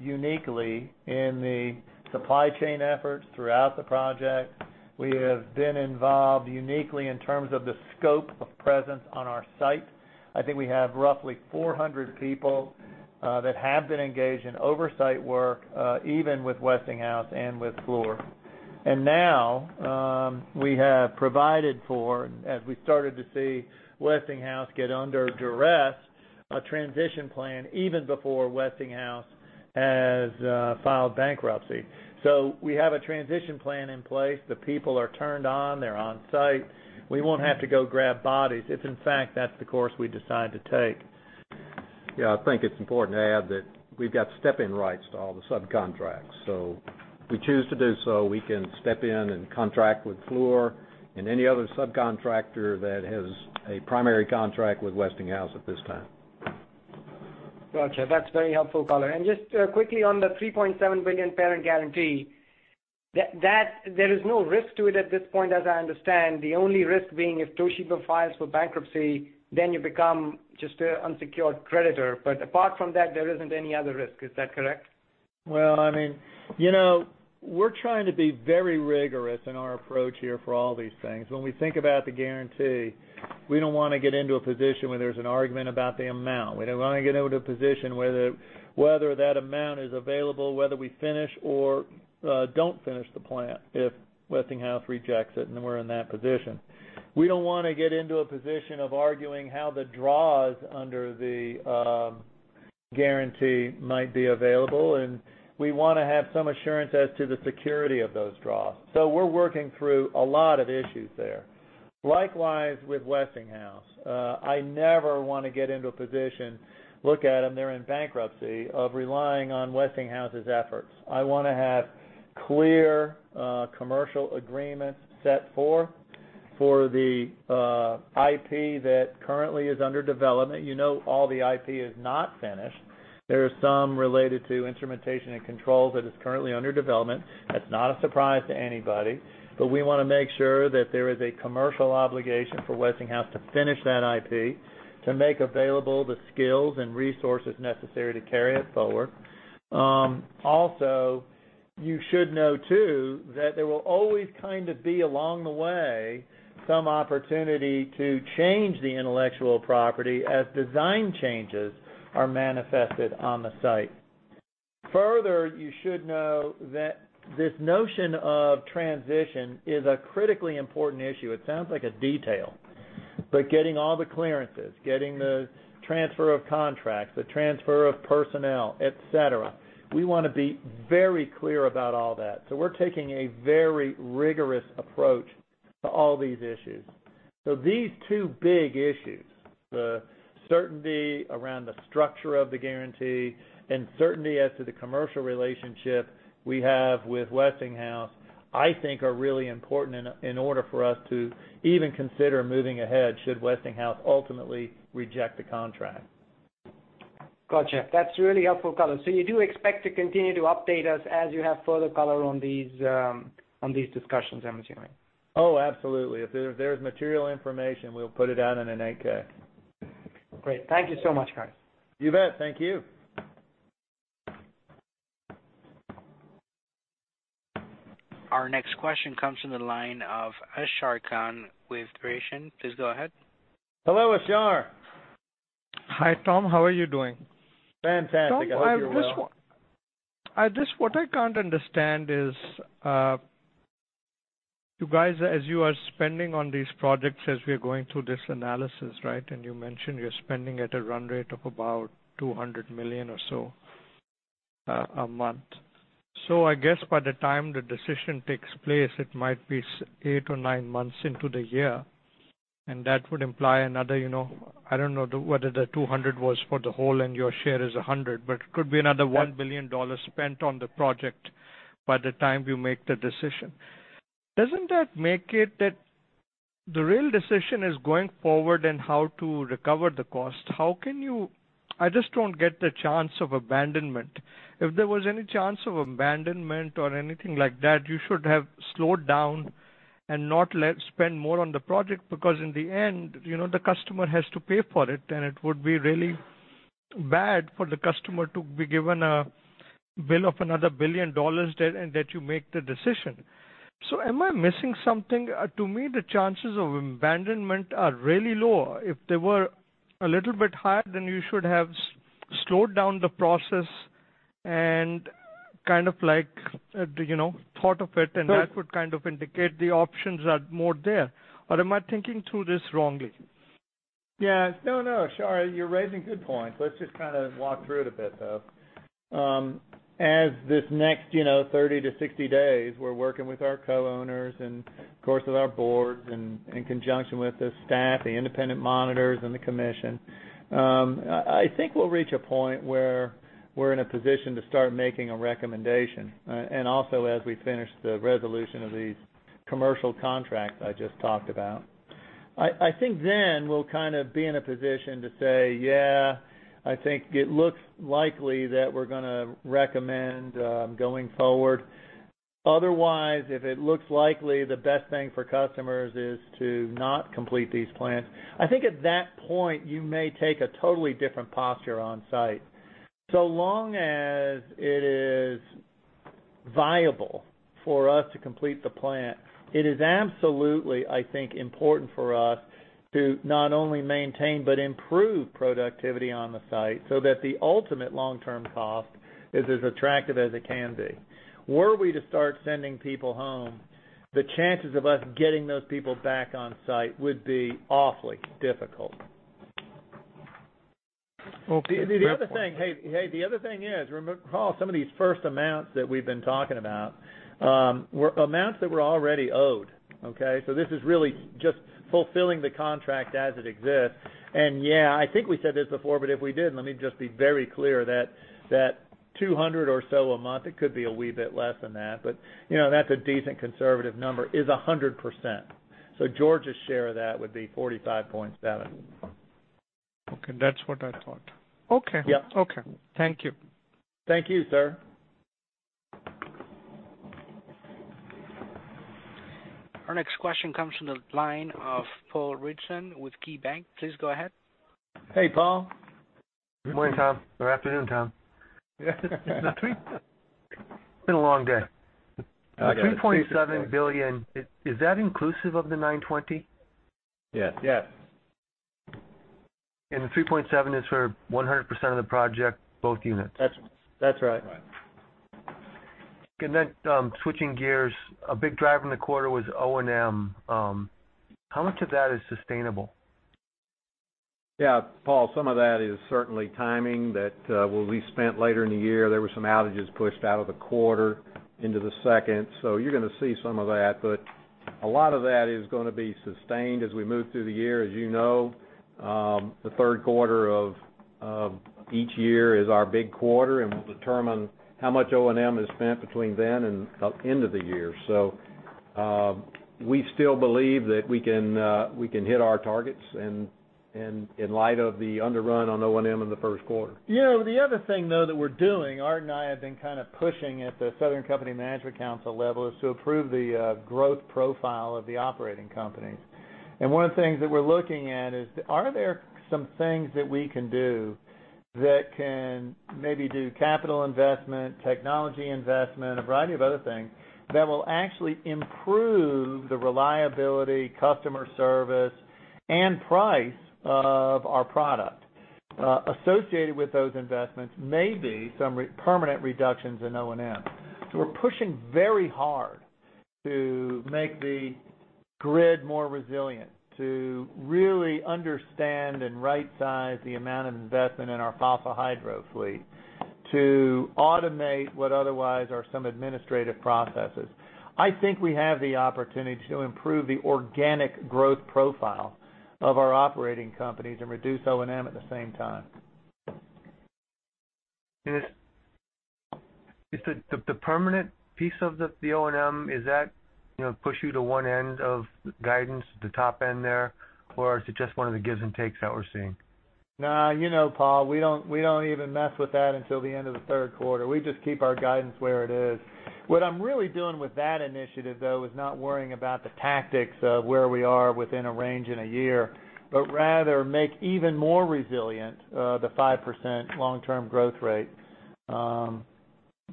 uniquely in the supply chain efforts throughout the project. We have been involved uniquely in terms of the scope of presence on our site. I think we have roughly 400 people that have been engaged in oversight work, even with Westinghouse and with Fluor. Now, we have provided for, as we started to see Westinghouse get under duress, a transition plan even before Westinghouse has filed bankruptcy. We have a transition plan in place. The people are turned on, they're on-site. We won't have to go grab bodies if, in fact, that's the course we decide to take. Yeah, I think it's important to add that we've got step-in rights to all the subcontracts.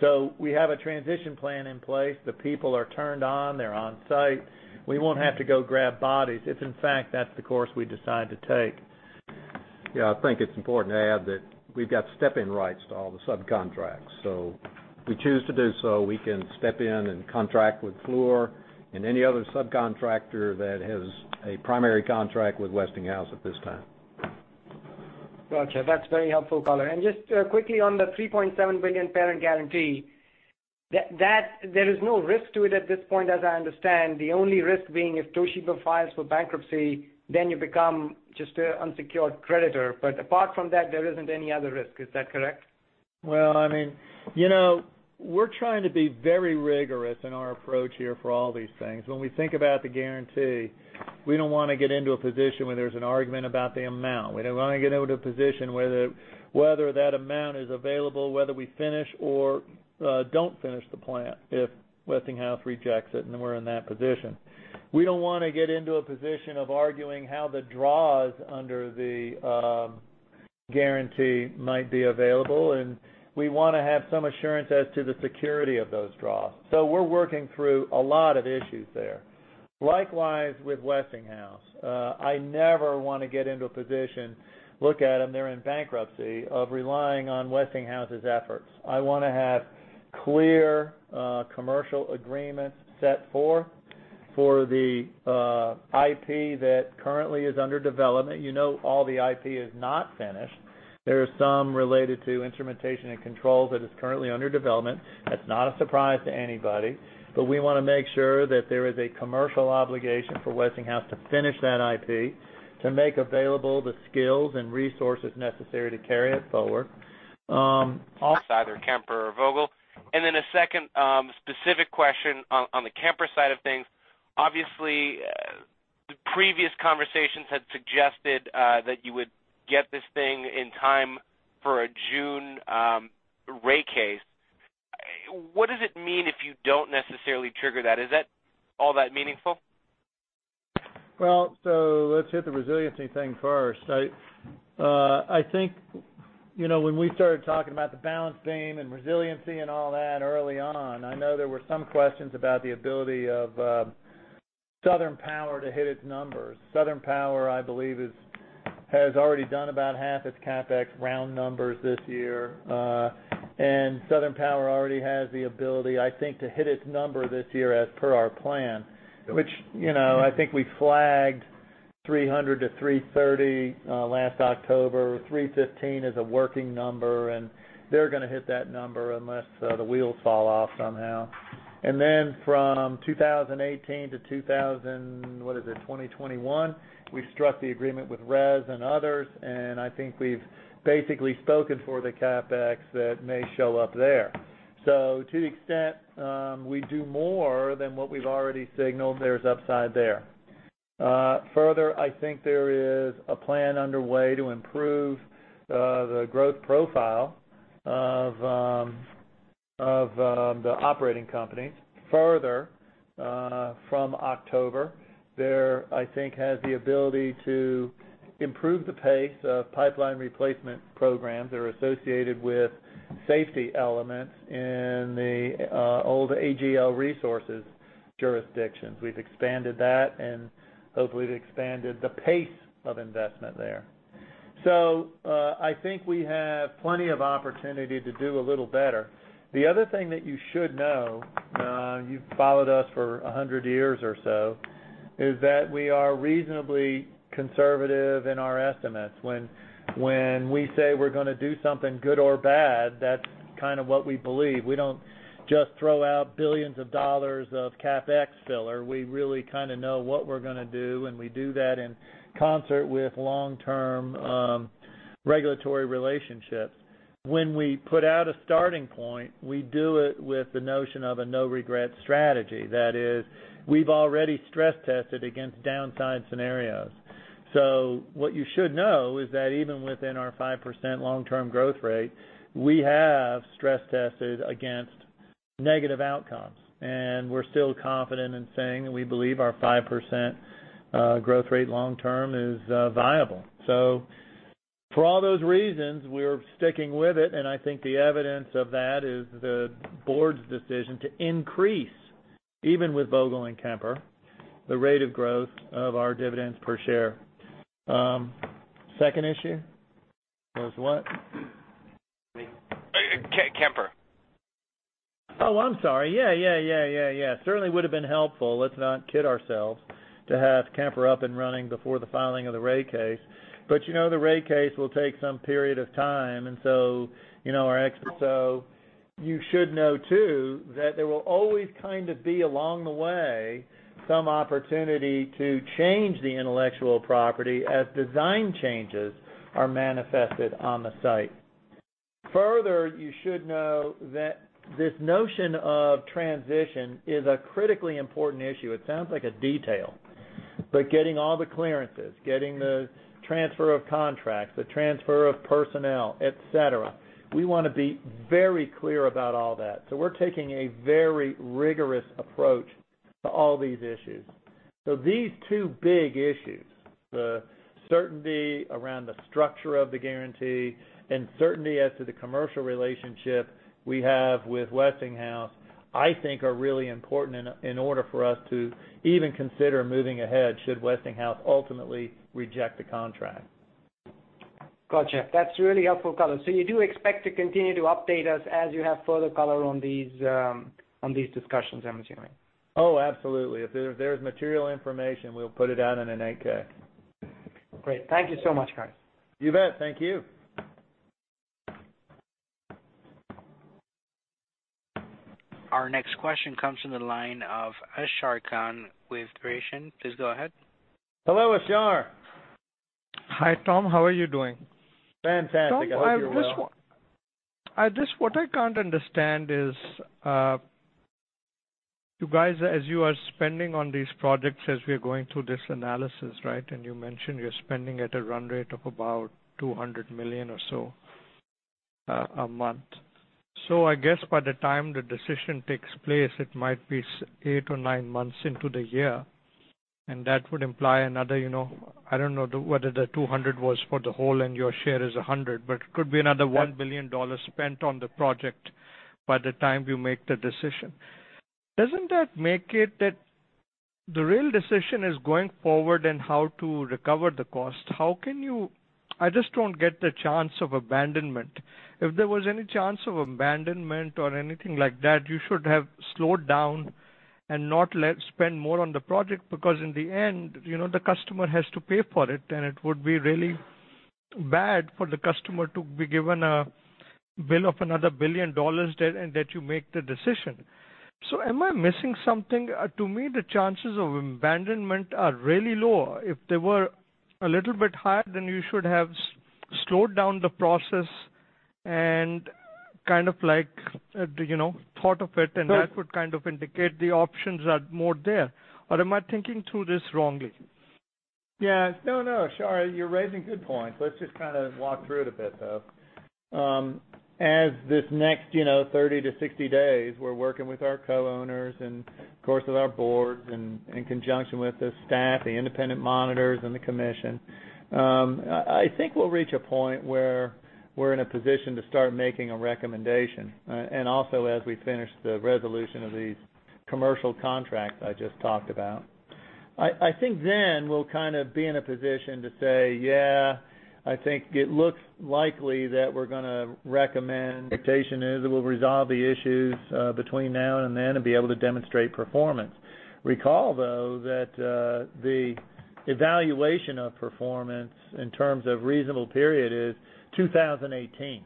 If we choose to do so, we can step in and contract with Fluor and any other subcontractor that has a primary contract with Westinghouse at this time. Gotcha. That's very helpful color. Just quickly on the $3.7 billion parent guarantee, there is no risk to it at this point, as I understand, the only risk being if Toshiba files for bankruptcy, you become just an unsecured creditor. Apart from that, there isn't any other risk. Is that correct? Well, we're trying to be very rigorous in our approach here for all these things. When we think about the guarantee, we don't want to get into a position where there's an argument about the amount. We don't want to get into a position whether that amount is available, whether we finish or don't finish the plant if Westinghouse rejects it and we're in that position. We don't want to get into a position of arguing how the draws under the guarantee might be available, and we want to have some assurance as to the security of those draws. We're working through a lot of issues there. Likewise, with Westinghouse. I never want to get into a position, look at them, they're in bankruptcy, of relying on Westinghouse's efforts. I want to have clear commercial agreements set forth for the IP that currently is under development. You know all the IP is not finished. There is some related to instrumentation and control that is currently under development. That's not a surprise to anybody. What does it mean if you don't necessarily trigger that? Is that all that meaningful? I think when we started talking about the balance beam and resiliency and all that early on, I know there were some questions about the ability of Southern Power to hit its numbers. Southern Power, I believe, has already done about half its CapEx round numbers this year. Southern Power already has the ability, I think, to hit its number this year as per our plan, which I think we flagged $300-$330 last October. $315 is a working number, and they're going to hit that number unless the wheels fall off somehow. From 2018 to 2021, we've struck the agreement with RES and others. I think we've basically spoken for the CapEx that may show up there. To the extent we do more than what we've already signaled, there's upside there. Further, I think there is a plan underway to improve the growth profile of the operating companies further from October. There, I think has the ability to improve the pace of pipeline replacement programs that are associated with safety elements in the old AGL Resources jurisdictions. We've expanded that and hopefully expanded the pace of investment there. I think we have plenty of opportunity to do a little better. The other thing that you should know, you've followed us for 100 years or so, is that we are reasonably conservative in our estimates. When we say we're going to do something good or bad, that's kind of what we believe. We don't just throw out billions of dollars of CapEx filler. We really kind of know what we're going to do, and we do that in concert with long-term regulatory relationships. When we put out a starting point, we do it with the notion of a no-regret strategy. That is, we've already stress-tested against downside scenarios. What you should know is that even within our 5% long-term growth rate, we have stress-tested against negative outcomes. We're still confident in saying we believe our 5% growth rate long term is viable. For all those reasons, we're sticking with it, and I think the evidence of that is the board's decision to increase, even with Vogtle and Kemper, the rate of growth of our dividends per share. Second issue was what? Kemper. Oh, I'm sorry. Yeah. Certainly would have been helpful, let's not kid ourselves, to have Kemper up and running before the filing of the rate case. You know the rate case will take some period of time, you should know too, that there will always kind of be along the way some opportunity to change the intellectual property as design changes are manifested on the site. Further, you should know that this notion of transition is a critically important issue. It sounds like a detail. Getting all the clearances, getting the transfer of contracts, the transfer of personnel, et cetera, we want to be very clear about all that. We're taking a very rigorous approach to all these issues. These two big issues, the certainty around the structure of the guarantee and certainty as to the commercial relationship we have with Westinghouse, I think are really important in order for us to even consider moving ahead should Westinghouse ultimately reject the contract. Got you. That's really helpful color. You do expect to continue to update us as you have further color on these discussions, I'm assuming. Oh, absolutely. If there's material information, we'll put it out in an 8-K. Great. Thank you so much, guys. You bet. Thank you. Our next question comes from the line of Ashar Khan with Verition. Please go ahead. Hello, Ashar. Hi, Tom. How are you doing? Fantastic. I hope you're well. Tom, what I can't understand is, you guys, as you are spending on these projects, as we are going through this analysis, right? You mentioned you're spending at a run rate of about $200 million or so a month. I guess by the time the decision takes place, it might be eight or nine months into the year, and that would imply another, I don't know whether the $200 was for the whole and your share is $100, but it could be another $1 billion spent on the project by the time you make the decision. Doesn't that make it that the real decision is going forward and how to recover the cost? I just don't get the chance of abandonment. If there was any chance of abandonment or anything like that, you should have slowed down and not spend more on the project, because in the end, the customer has to pay for it, and it would be really bad for the customer to be given a bill of another $1 billion that you make the decision. Am I missing something? To me, the chances of abandonment are really low. If they were a little bit higher, then you should have slowed down the process and kind of thought of it, and that would kind of indicate the options are more there. Am I thinking through this wrongly? Yeah. No, Ashar. You're raising good points. Let's just kind of walk through it a bit, though. As this next 30-60 days, we're working with our co-owners and, of course, with our boards and in conjunction with the staff, the independent monitors, and the commission. I think we'll reach a point where we're in a position to start making a recommendation. Also, as we finish the resolution of these commercial contracts I just talked about. I think then we'll kind of be in a position to say, "Yeah, I think it looks likely that we're going to recommend." Expectation is that we'll resolve the issues between now and then and be able to demonstrate performance. Recall, though, that the evaluation of performance in terms of reasonable period is 2018.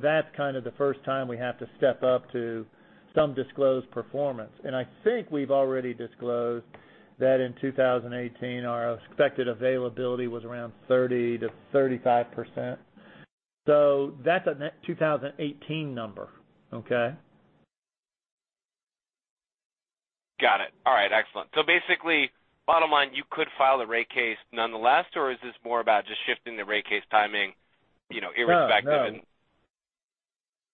That's kind of the first time we have to step up to some disclosed performance. I think we've already disclosed that in 2018, our expected availability was around 30%-35%. That's a 2018 number. Okay? Got it. All right. Excellent. Basically, bottom line, you could file the rate case nonetheless, or is this more about just shifting the rate case timing irrespective? No.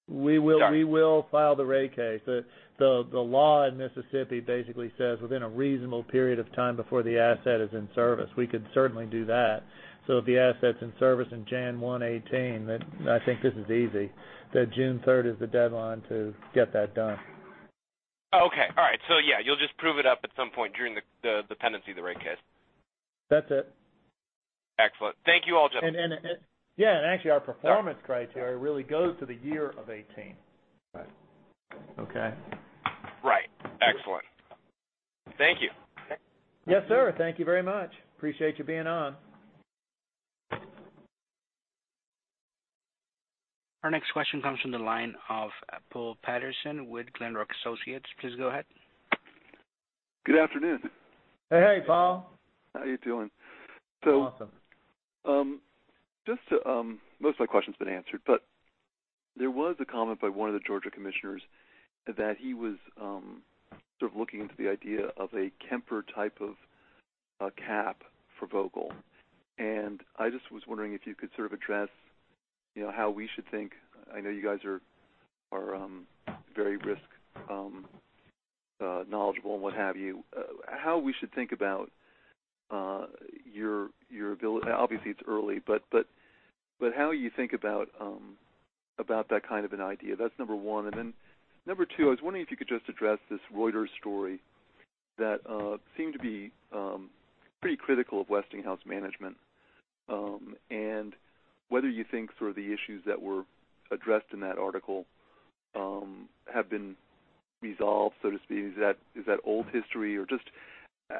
Sorry. We will file the rate case. The law in Mississippi basically says within a reasonable period of time before the asset is in service. We could certainly do that. If the asset's in service in January 1, 2018, then I think this is easy, that June 3rd is the deadline to get that done. Okay. All right. Yeah, you'll just prove it up at some point during the pendency of the rate case. That's it. Excellent. Thank you all, gentlemen. Yeah, actually our performance criteria really goes to the year of 2018. Right. Okay? Right. Excellent. Thank you. Yes, sir. Thank you very much. Appreciate you being on. Our next question comes from the line of Paul Patterson with Glenrock Associates. Please go ahead. Good afternoon. Hey, Paul. How are you doing? Awesome. Most of my question's been answered, but there was a comment by one of the Georgia commissioners that he was sort of looking into the idea of a Kemper type of cap for Vogtle, and I just was wondering if you could sort of address how we should think. I know you guys are very risk knowledgeable and what have you. How we should think about your ability, obviously, it's early, but how you think about that kind of an idea. That's number one. Number two, I was wondering if you could just address this Reuters story that seemed to be pretty critical of Westinghouse management, and whether you think sort of the issues that were addressed in that article have been resolved, so to speak. Is that old history or just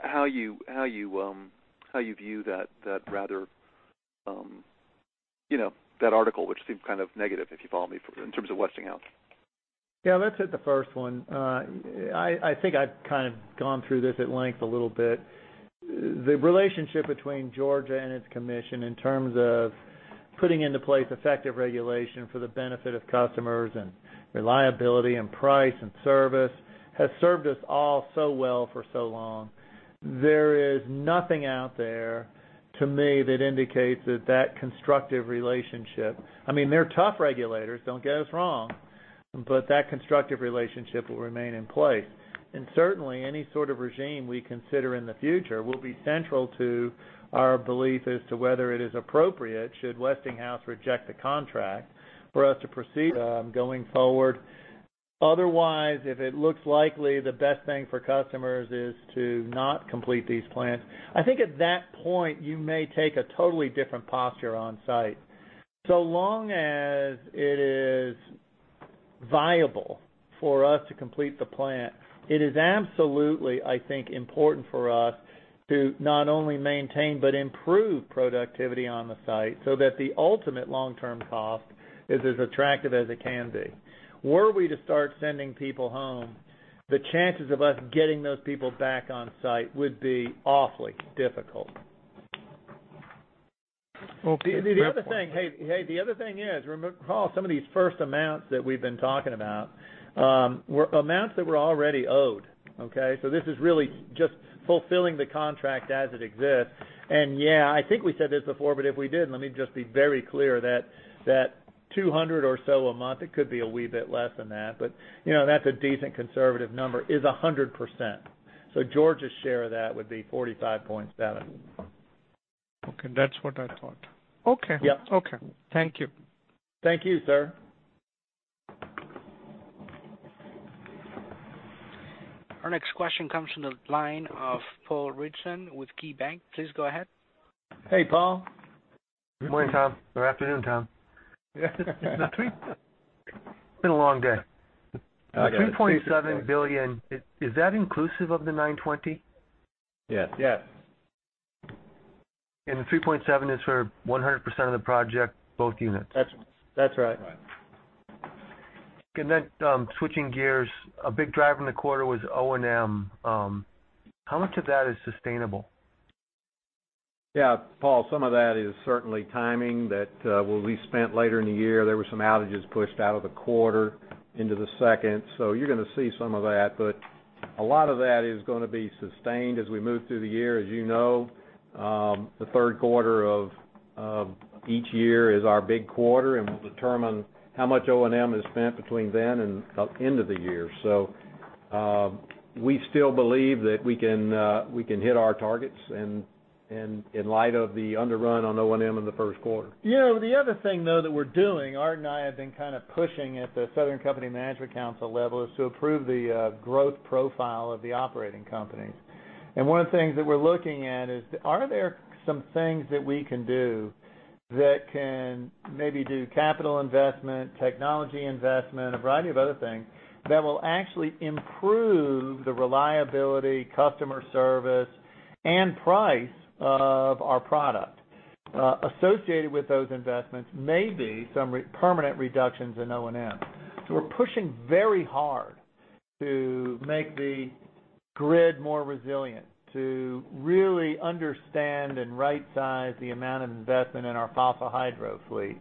how you view that article, which seemed kind of negative, if you follow me, in terms of Westinghouse. Yeah, let's hit the first one. I think I've kind of gone through this at length a little bit. The relationship between Georgia and its commission in terms of putting into place effective regulation for the benefit of customers and reliability and price and service has served us all so well for so long. There is nothing out there, to me, that indicates that constructive relationship, they're tough regulators, don't get us wrong, will remain in place. Certainly, any sort of regime we consider in the future will be central to our belief as to whether it is appropriate, should Westinghouse reject the contract, for us to proceed going forward. Otherwise, if it looks likely, the best thing for customers is to not complete these plants. I think at that point, you may take a totally different posture on site. So long as it is viable for us to complete the plant, it is absolutely, I think, important for us to not only maintain but improve productivity on the site so that the ultimate long-term cost is as attractive as it can be. Were we to start sending people home, the chances of us getting those people back on site would be awfully difficult. Okay, fair point. Hey, the other thing is, recall some of these first amounts that we've been talking about were amounts that were already owed. Okay? This is really just fulfilling the contract as it exists. Yeah, I think we said this before, but if we did, let me just be very clear that $200 or so a month, it could be a wee bit less than that, but that's a decent conservative number, is 100%. Georgia's share of that would be $45.7. Okay. That's what I thought. Okay. Yep. Okay. Thank you. Thank you, sir. Our next question comes from the line of Paul Richardson with KeyBank. Please go ahead. Hey, Paul. Good morning, Tom, or afternoon, Tom. It's been a long day. I guess. $3.7 billion, is that inclusive of the 920? Yes. Yes. The 3.7 is for 100% of the project, both units? That's right. Right. Okay, switching gears, a big driver in the quarter was O&M. How much of that is sustainable? Paul, some of that is certainly timing that will be spent later in the year. There were some outages pushed out of the quarter into the second. You're going to see some of that, but a lot of that is going to be sustained as we move through the year. As you know, the third quarter of each year is our big quarter, and we'll determine how much O&M is spent between then and end of the year. We still believe that we can hit our targets and in light of the underrun on O&M in the first quarter. The other thing, though, that we're doing, Art and I have been kind of pushing at the Southern Company Management Council level is to approve the growth profile of the operating companies. One of the things that we're looking at is, are there some things that we can do that can maybe do capital investment, technology investment, a variety of other things that will actually improve the reliability, customer service, and price of our product? Associated with those investments may be some permanent reductions in O&M. We're pushing very hard to make the grid more resilient, to really understand and right-size the amount of investment in our fossil hydro fleet,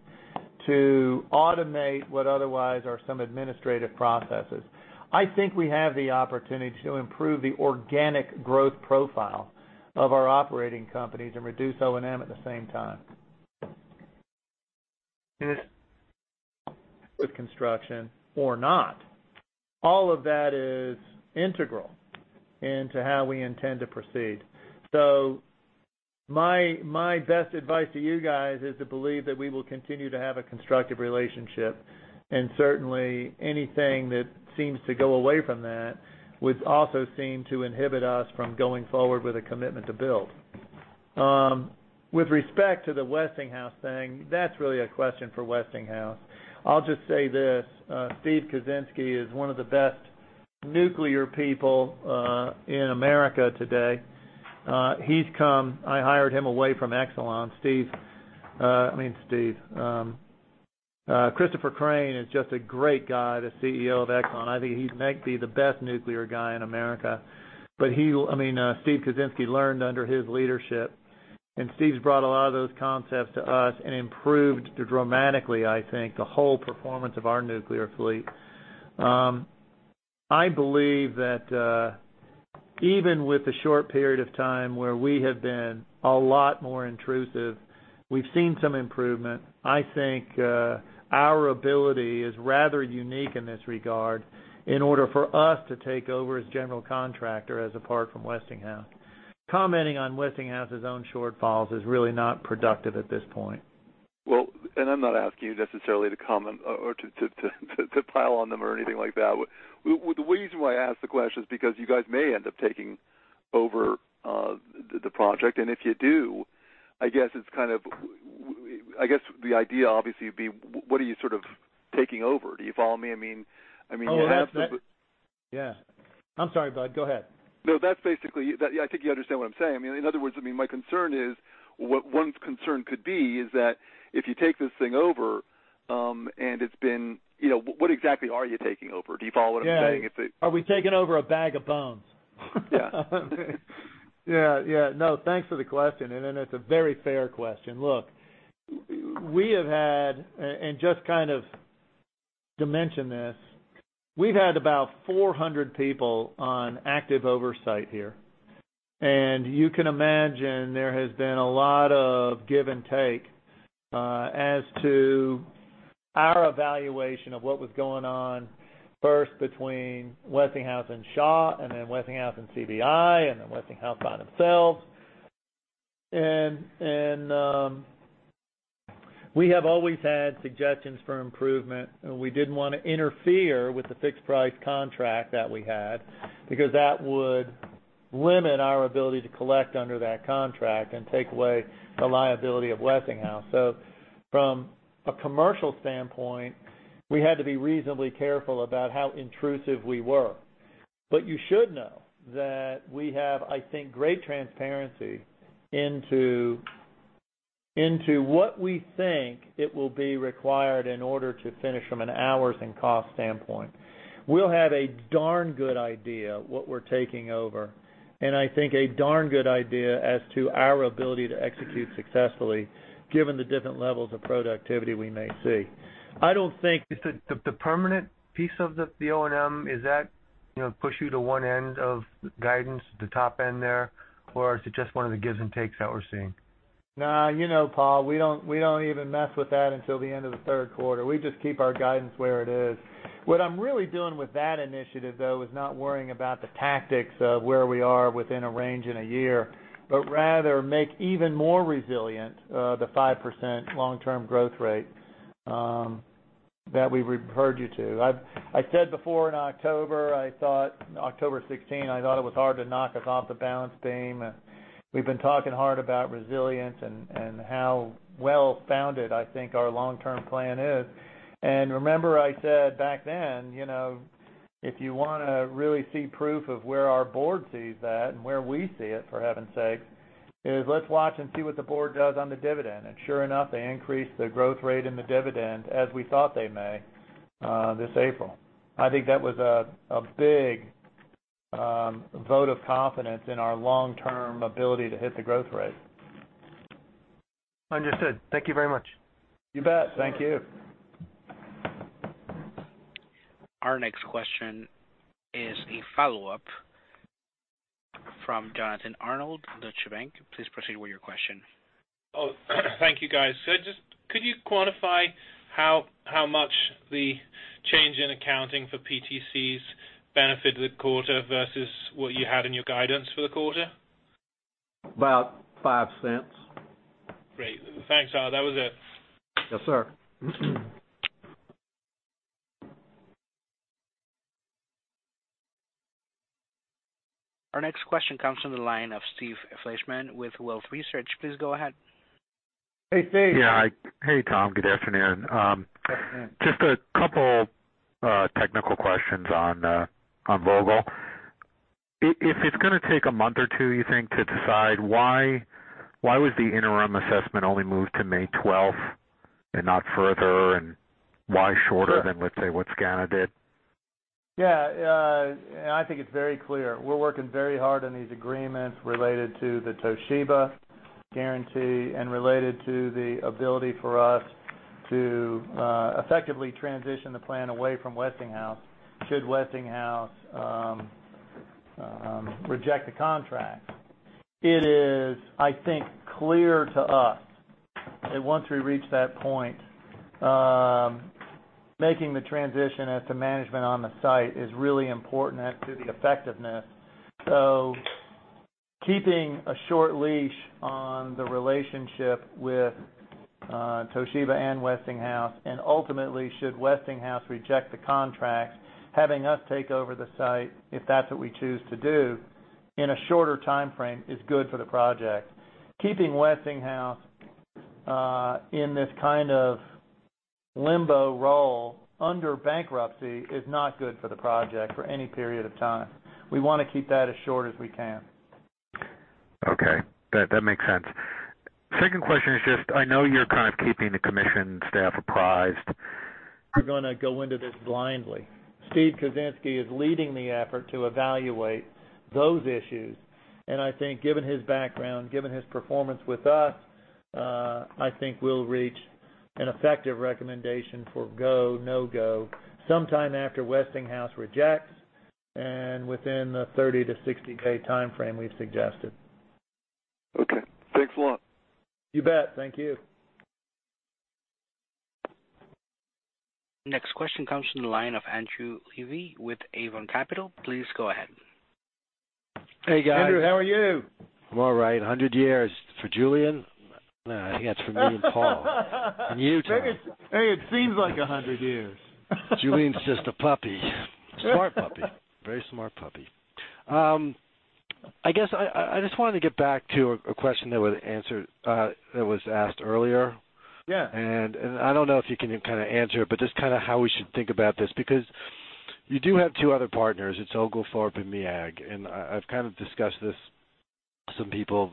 to automate what otherwise are some administrative processes. I think we have the opportunity to improve the organic growth profile of our operating companies and reduce O&M at the same time. With construction or not, all of that is integral into how we intend to proceed. My best advice to you guys is to believe that we will continue to have a constructive relationship, and certainly anything that seems to go away from that would also seem to inhibit us from going forward with a commitment to build. With respect to the Westinghouse thing, that's really a question for Westinghouse. I'll just say this. Steve Kuczynski is one of the best nuclear people in America today. I hired him away from Exelon. Christopher Crane is just a great guy, the CEO of Exelon. I think he might be the best nuclear guy in America. Steve Kuczynski learned under his leadership, and Steve's brought a lot of those concepts to us and improved dramatically, I think, the whole performance of our nuclear fleet. I believe that even with the short period of time where we have been a lot more intrusive, we've seen some improvement. I think our ability is rather unique in this regard, in order for us to take over as general contractor, as apart from Westinghouse. Commenting on Westinghouse's own shortfalls is really not productive at this point. Well, I'm not asking you necessarily to comment or to pile on them or anything like that. The reason why I ask the question is because you guys may end up taking over the project, and if you do, I guess the idea obviously would be what are you sort of taking over? Do you follow me? Oh, that's the. Yeah. I'm sorry, bud. Go ahead. That's basically I think you understand what I'm saying. In other words, my concern is, one concern could be is that if you take this thing over, what exactly are you taking over? Do you follow what I'm saying? Yeah. Are we taking over a bag of bones? Yeah. Yeah. No, thanks for the question. It's a very fair question. Look, just kind of to mention this, we've had about 400 people on active oversight here. You can imagine there has been a lot of give and take as to our evaluation of what was going on, first between Westinghouse and Shaw, and then Westinghouse and CBI, and then Westinghouse by themselves. We have always had suggestions for improvement, and we didn't want to interfere with the fixed price contract that we had, because that would limit our ability to collect under that contract and take away the liability of Westinghouse. From a commercial standpoint, we had to be reasonably careful about how intrusive we were. You should know that we have, I think great transparency into what we think it will be required in order to finish from an hours and cost standpoint. We'll have a darn good idea what we're taking over, and I think a darn good idea as to our ability to execute successfully, given the different levels of productivity we may see. The permanent piece of the O&M, is that push you to one end of the guidance, the top end there? Or is it just one of the gives and takes that we're seeing? No, Paul, we don't even mess with that until the end of the third quarter. We just keep our guidance where it is. What I'm really doing with that initiative, though, is not worrying about the tactics of where we are within a range in a year, but rather make even more resilient, the 5% long-term growth rate that we've heard you to. I said before in October 16, I thought it was hard to knock us off the balance beam. We've been talking hard about resilience and how well-founded I think our long-term plan is. Remember I said back then, if you want to really see proof of where our board sees that and where we see it, for heaven's sake, is let's watch and see what the board does on the dividend. Sure enough, they increased the growth rate in the dividend as we thought they may this April. I think that was a big vote of confidence in our long-term ability to hit the growth rate. Understood. Thank you very much. You bet. Thank you. Our next question is a follow-up from Jonathan Arnold, Deutsche Bank. Please proceed with your question. Thank you, guys. Just could you quantify how much the change in accounting for PTCs benefit the quarter versus what you had in your guidance for the quarter? About $0.05. Great. Thanks, y'all. That was it. Yes, sir. Our next question comes from the line of Steve Fleishman with Wolfe Research. Please go ahead. Hey, Steve. Yeah, hi. Hey, Tom. Good afternoon. Good afternoon. Just a couple technical questions on Vogtle. If it's gonna take a month or two, you think, to decide, why was the interim assessment only moved to May 12th and not further, and why shorter- Sure than, let's say, what SCANA did? Yeah. I think it's very clear we're working very hard on these agreements related to the Toshiba guarantee and related to the ability for us to effectively transition the plan away from Westinghouse, should Westinghouse reject the contract. It is, I think, clear to us that once we reach that point, making the transition as to management on the site is really important as to the effectiveness. Keeping a short leash on the relationship with Toshiba and Westinghouse, and ultimately, should Westinghouse reject the contract, having us take over the site, if that's what we choose to do, in a shorter timeframe is good for the project. Keeping Westinghouse, in this kind of limbo role under bankruptcy is not good for the project for any period of time. We want to keep that as short as we can. Okay. That makes sense. Second question is just, I know you're kind of keeping the commission staff apprised. We're gonna go into this blindly. Steve Kuczynski is leading the effort to evaluate those issues. I think given his background, given his performance with us, I think we'll reach an effective recommendation for go, no go, sometime after Westinghouse rejects and within the 30-60-day timeframe we've suggested. Okay. Thanks a lot. You bet. Thank you. Next question comes from the line of Andrew Levy with Avon Capital. Please go ahead. Hey, guys. Andrew, how are you? I'm all right. 100 years for Julien. Nah, I think that's for me and Paul. You, Tom. Maybe it seems like 100 years. Julien's just a puppy. A smart puppy. Very smart puppy. I guess I just wanted to get back to a question that was asked earlier. Yeah. I don't know if you can kind of answer it, but just kind of how we should think about this, because you do have two other partners. It's Oglethorpe Power and MEAG Power, and I've kind of discussed this with some people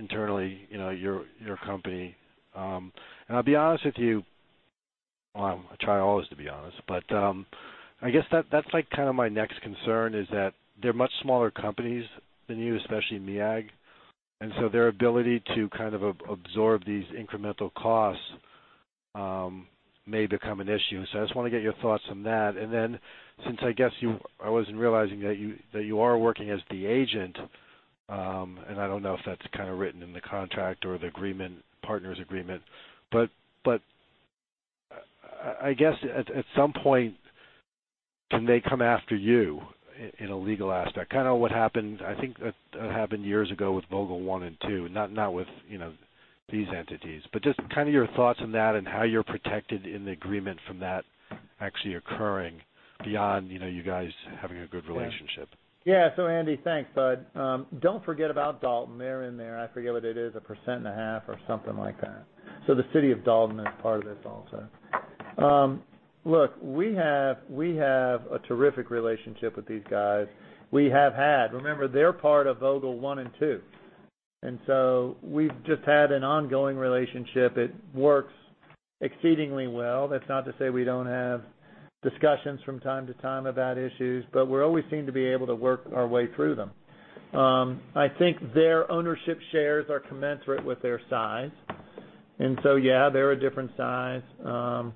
internally your company. I'll be honest with you, well, I try always to be honest, but I guess that's like kind of my next concern is that they're much smaller companies than you, especially MEAG Power. Their ability to kind of absorb these incremental costs may become an issue. I just want to get your thoughts on that. Since I wasn't realizing that you are working as the agent, and I don't know if that's kind of written in the contract or the partners agreement, but I guess at some point Can they come after you in a legal aspect? Kind of what happened, I think, years ago with Vogtle One and Two, not with these entities. Just your thoughts on that and how you're protected in the agreement from that actually occurring beyond you guys having a good relationship. Yeah. Andy, thanks, bud. Don't forget about Dalton Utilities. They're in there. I forget what it is, a percent and a half or something like that. The city of Dalton Utilities is part of this also. Look, we have a terrific relationship with these guys. We have had. Remember, they're part of Vogtle One and Two. We've just had an ongoing relationship. It works exceedingly well. That's not to say we don't have discussions from time to time about issues, but we always seem to be able to work our way through them. I think their ownership shares are commensurate with their size. Yeah, they're a different size. I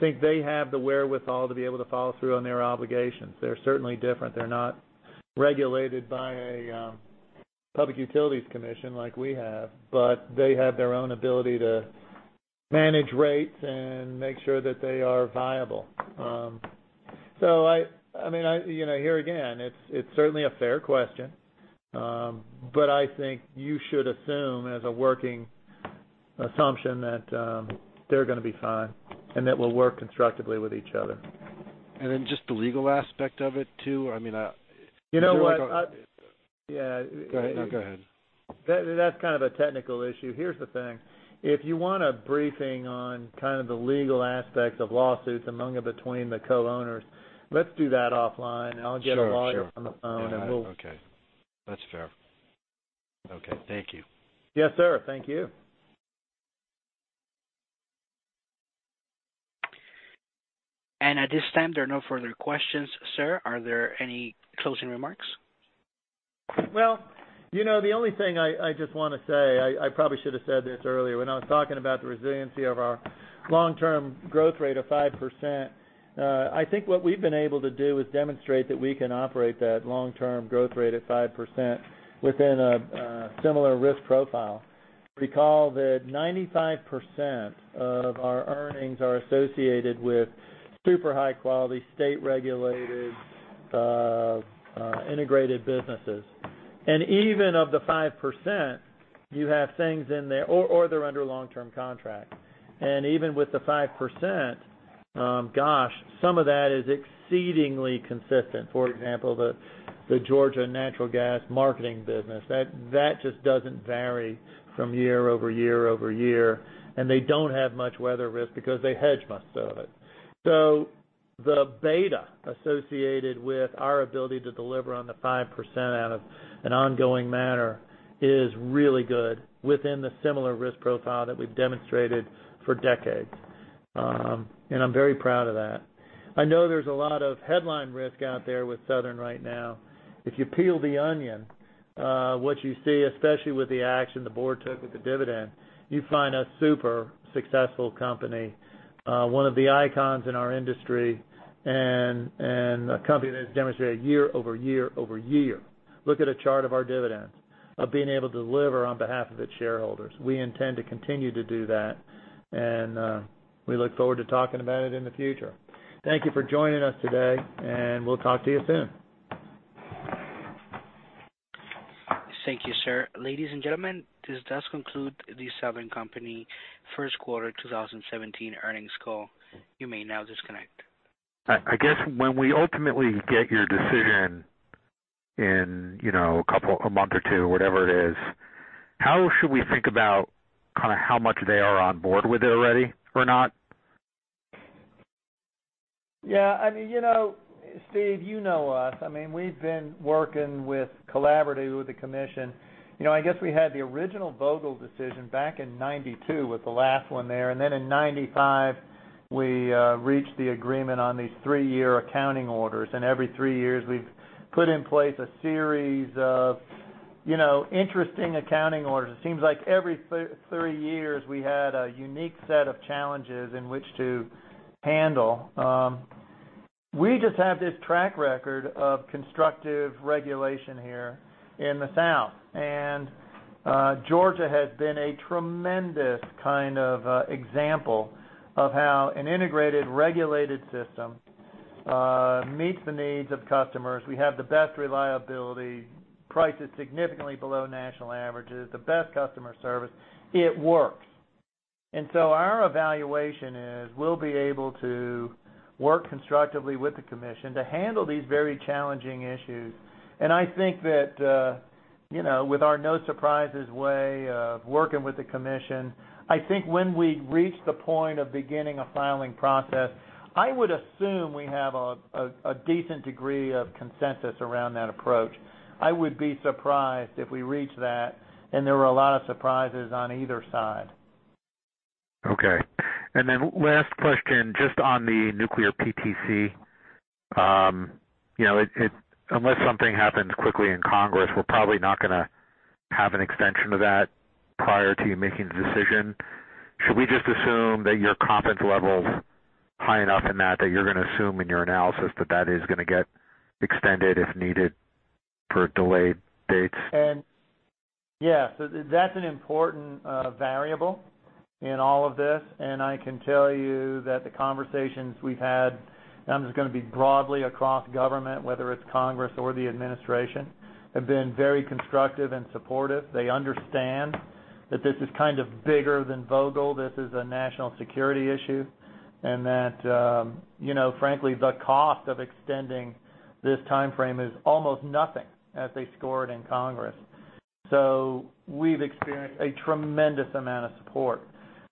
think they have the wherewithal to be able to follow through on their obligations. They're certainly different. They're not regulated by a public utilities commission like we have, they have their own ability to manage rates and make sure that they are viable. Here again, it's certainly a fair question. I think you should assume as a working assumption that they're going to be fine and that we'll work constructively with each other. Just the legal aspect of it, too. You know what? No, go ahead. That's kind of a technical issue. Here's the thing. If you want a briefing on the legal aspect of lawsuits among and between the co-owners, let's do that offline. Sure. I'll get a lawyer on the phone. Okay. That's fair. Okay. Thank you. Yes, sir. Thank you. At this time, there are no further questions. Sir, are there any closing remarks? The only thing I just want to say, I probably should have said this earlier when I was talking about the resiliency of our long-term growth rate of 5%. I think what we've been able to do is demonstrate that we can operate that long-term growth rate at 5% within a similar risk profile. Recall that 95% of our earnings are associated with super high-quality, state-regulated, integrated businesses. Even of the 5%, you have things in there, or they're under long-term contract. Even with the 5%, gosh, some of that is exceedingly consistent. For example, the Georgia Natural Gas marketing business. That just doesn't vary from year over year over year, and they don't have much weather risk because they hedge most of it. The beta associated with our ability to deliver on the 5% out of an ongoing manner is really good within the similar risk profile that we've demonstrated for decades. I'm very proud of that. I know there's a lot of headline risk out there with Southern right now. If you peel the onion, what you see, especially with the action the board took with the dividend, you find a super successful company. One of the icons in our industry, a company that's demonstrated year over year over year. Look at a chart of our dividends, of being able to deliver on behalf of its shareholders. We intend to continue to do that, we look forward to talking about it in the future. Thank you for joining us today, and we'll talk to you soon. Thank you, sir. Ladies and gentlemen, this does conclude The Southern Company first quarter 2017 earnings call. You may now disconnect. I guess when we ultimately get your decision in a month or two, whatever it is, how should we think about how much they are on board with it already or not? Yeah. Steve, you know us. We've been working collaboratively with the commission. I guess we had the original Vogtle decision back in 1992 with the last one there. Then in 1995, we reached the agreement on these three-year accounting orders. Every three years, we've put in place a series of interesting accounting orders. It seems like every 30 years, we had a unique set of challenges in which to handle. We just have this track record of constructive regulation here in the South. Georgia has been a tremendous example of how an integrated regulated system meets the needs of customers. We have the best reliability, prices significantly below national averages, the best customer service. It works. Our evaluation is we'll be able to work constructively with the commission to handle these very challenging issues. I think that with our no surprises way of working with the commission, I think when we reach the point of beginning a filing process, I would assume we have a decent degree of consensus around that approach. I would be surprised if we reach that and there were a lot of surprises on either side. Okay. Last question, just on the nuclear PTC. Unless something happens quickly in Congress, we're probably not going to have an extension of that prior to you making a decision. Should we just assume that your confidence level's high enough in that you're going to assume in your analysis that is going to get extended if needed for delayed dates? Yes. That's an important variable in all of this, I can tell you that the conversations we've had, I'm just going to be broadly across government, whether it's Congress or the Administration, have been very constructive and supportive. They understand that this is kind of bigger than Vogtle. This is a national security issue, frankly, the cost of extending this timeframe is almost nothing as they score it in Congress. We've experienced a tremendous amount of support.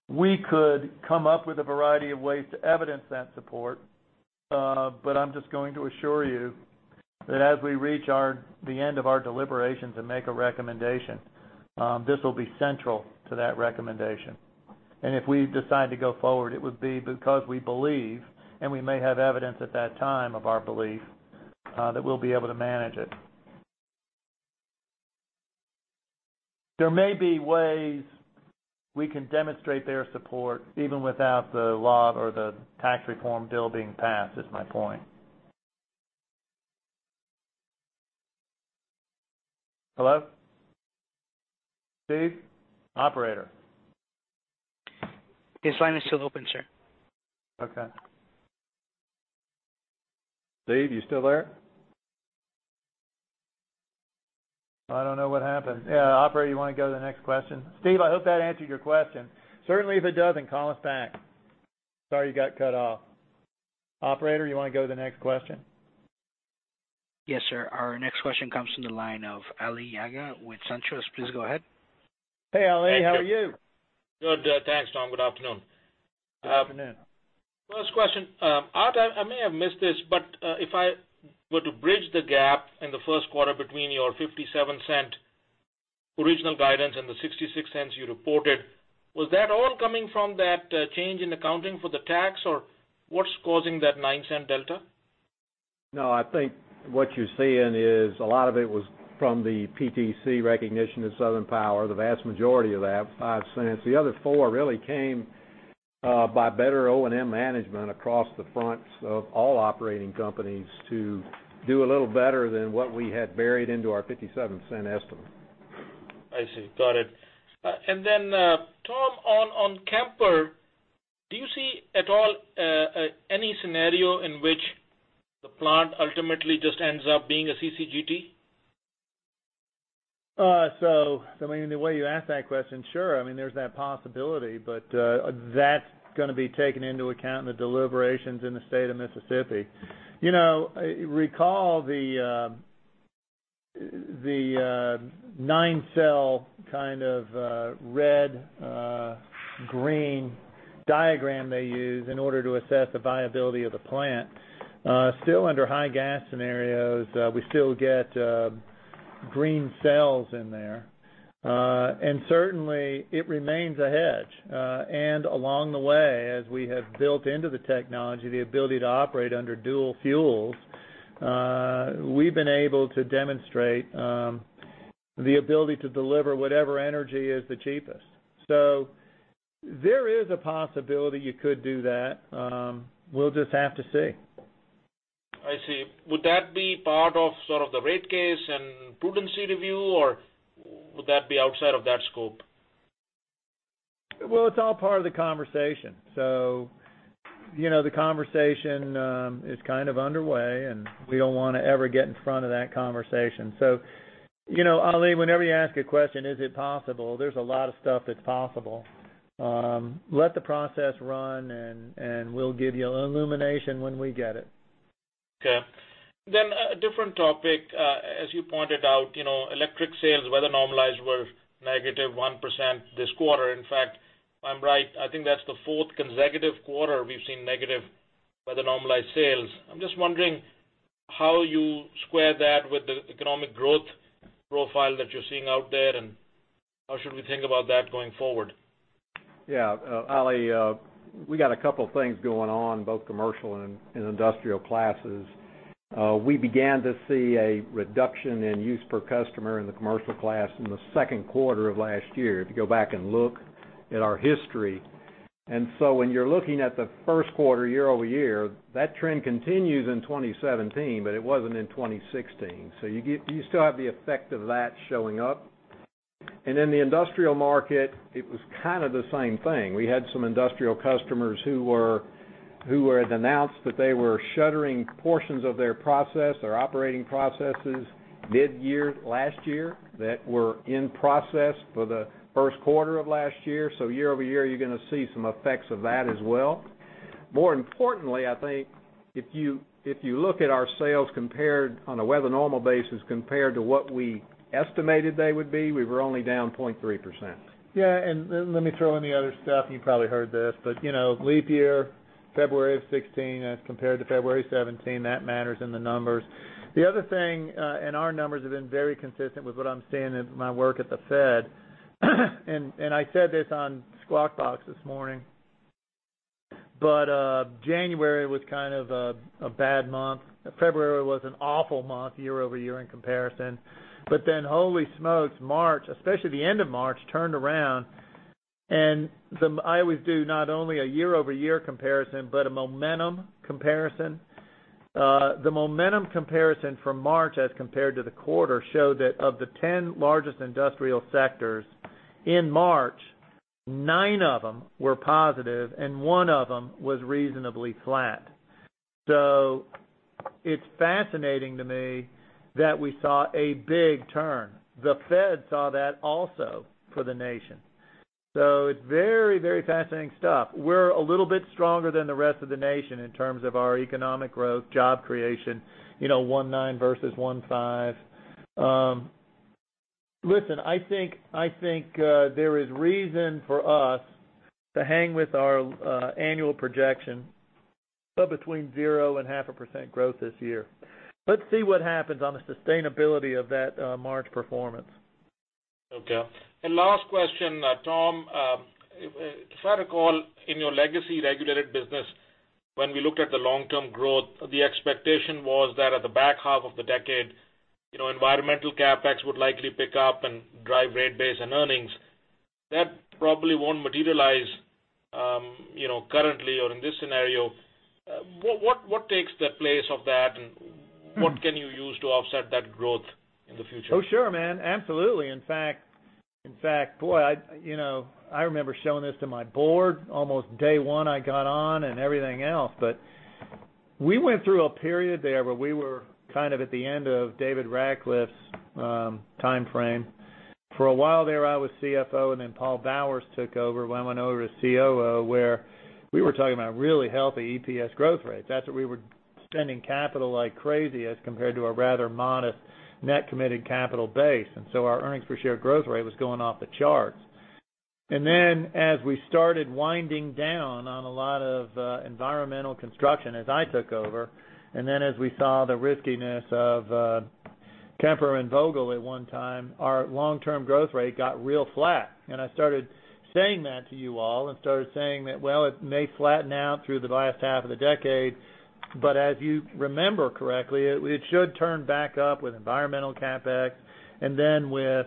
We could come up with a variety of ways to evidence that support, I'm just going to assure you that as we reach the end of our deliberations and make a recommendation, this will be central to that recommendation. If we decide to go forward, it would be because we believe, we may have evidence at that time of our belief, that we'll be able to manage it. There may be ways we can demonstrate their support even without the law or the tax reform bill being passed is my point. Hello? Steve? Operator. This line is still open, sir. Okay. Steve, you still there? I don't know what happened. Yeah, operator, you want to go to the next question? Steve, I hope that answered your question. Certainly, if it doesn't, call us back. Sorry you got cut off. Operator, you want to go to the next question? Yes, sir. Our next question comes from the line of Ali Agha with SunTrust. Please go ahead. Hey, Ali. How are you? Good. Thanks, Tom. Good afternoon. Afternoon. First question. Art, I may have missed this, but if I were to bridge the gap in the first quarter between your $0.57 original guidance and the $0.66 you reported, was that all coming from that change in accounting for the tax, or what's causing that $0.09 delta? I think what you're seeing is a lot of it was from the PTC recognition of Southern Power, the vast majority of that $0.05. The other four really came by better O&M management across the fronts of all operating companies to do a little better than what we had buried into our $0.57 estimate. I see. Got it. Tom, on Kemper, do you see at all any scenario in which the plant ultimately just ends up being a CCGT? The way you ask that question, sure, there's that possibility, but that's going to be taken into account in the deliberations in the state of Mississippi. Recall the nine-cell kind of red green diagram they use in order to assess the viability of the plant. Still under high gas scenarios, we still get green cells in there. Certainly, it remains a hedge. Along the way, as we have built into the technology, the ability to operate under dual fuels, we've been able to demonstrate the ability to deliver whatever energy is the cheapest. There is a possibility you could do that. We'll just have to see. I see. Would that be part of sort of the rate case and prudency review, or would that be outside of that scope? Well, it's all part of the conversation. The conversation is kind of underway, and we don't want to ever get in front of that conversation. Ali, whenever you ask a question, is it possible, there's a lot of stuff that's possible. Let the process run, and we'll give you illumination when we get it. Okay. A different topic. As you pointed out, electric sales, weather normalized, were negative 1% this quarter. In fact, if I'm right, I think that's the fourth consecutive quarter we've seen negative weather normalized sales. I'm just wondering how you square that with the economic growth profile that you're seeing out there, and how should we think about that going forward? Yeah. Ali, we got a couple things going on, both commercial and in industrial classes. We began to see a reduction in use per customer in the commercial class in the second quarter of last year, if you go back and look at our history. When you're looking at the first quarter year-over-year, that trend continues in 2017, but it wasn't in 2016. You still have the effect of that showing up. In the industrial market, it was kind of the same thing. We had some industrial customers who had announced that they were shuttering portions of their process, their operating processes mid-year last year that were in process for the first quarter of last year. Year-over-year, you're going to see some effects of that as well. More importantly, I think, if you look at our sales compared on a weather normal basis compared to what we estimated they would be, we were only down 0.3%. Yeah, let me throw in the other stuff. You probably heard this, but leap year, February of 2016 as compared to February 2017, that matters in the numbers. The other thing, our numbers have been very consistent with what I'm seeing in my work at the Fed, I said this on Squawk Box this morning. January was kind of a bad month. February was an awful month year-over-year in comparison. Then holy smokes, March, especially the end of March, turned around. I always do not only a year-over-year comparison, but a momentum comparison. The momentum comparison from March as compared to the quarter showed that of the 10 largest industrial sectors in March, nine of them were positive and one of them was reasonably flat. It's fascinating to me that we saw a big turn. The Fed saw that also for the nation. It's very fascinating stuff. We're a little bit stronger than the rest of the nation in terms of our economic growth, job creation, 1.9% versus 1.5%. Listen, I think there is reason for us to hang with our annual projection of between 0% and 0.5% growth this year. Let's see what happens on the sustainability of that March performance. Okay. Last question, Tom Fanning. If I recall, in your legacy regulated business, when we looked at the long-term growth, the expectation was that at the back half of the decade, environmental CapEx would likely pick up and drive rate base and earnings. That probably won't materialize currently or in this scenario. What takes the place of that, and what can you use to offset that growth in the future? Oh, sure, man. Absolutely. In fact, boy, I remember showing this to my board almost day one I got on and everything else. We went through a period there where we were kind of at the end of David Ratcliffe's timeframe. For a while there, I was CFO, and then Paul Bowers took over when I went over to COO, where we were talking about really healthy EPS growth rates. That's where we were spending capital like crazy as compared to a rather modest net committed capital base. Our earnings per share growth rate was going off the charts. Then as we started winding down on a lot of environmental construction, as I took over, then as we saw the riskiness of Kemper and Vogtle at one time, our long-term growth rate got real flat. I started saying that to you all and started saying that, "Well, it may flatten out through the last half of the decade, but as you remember correctly, it should turn back up with environmental CapEx and then with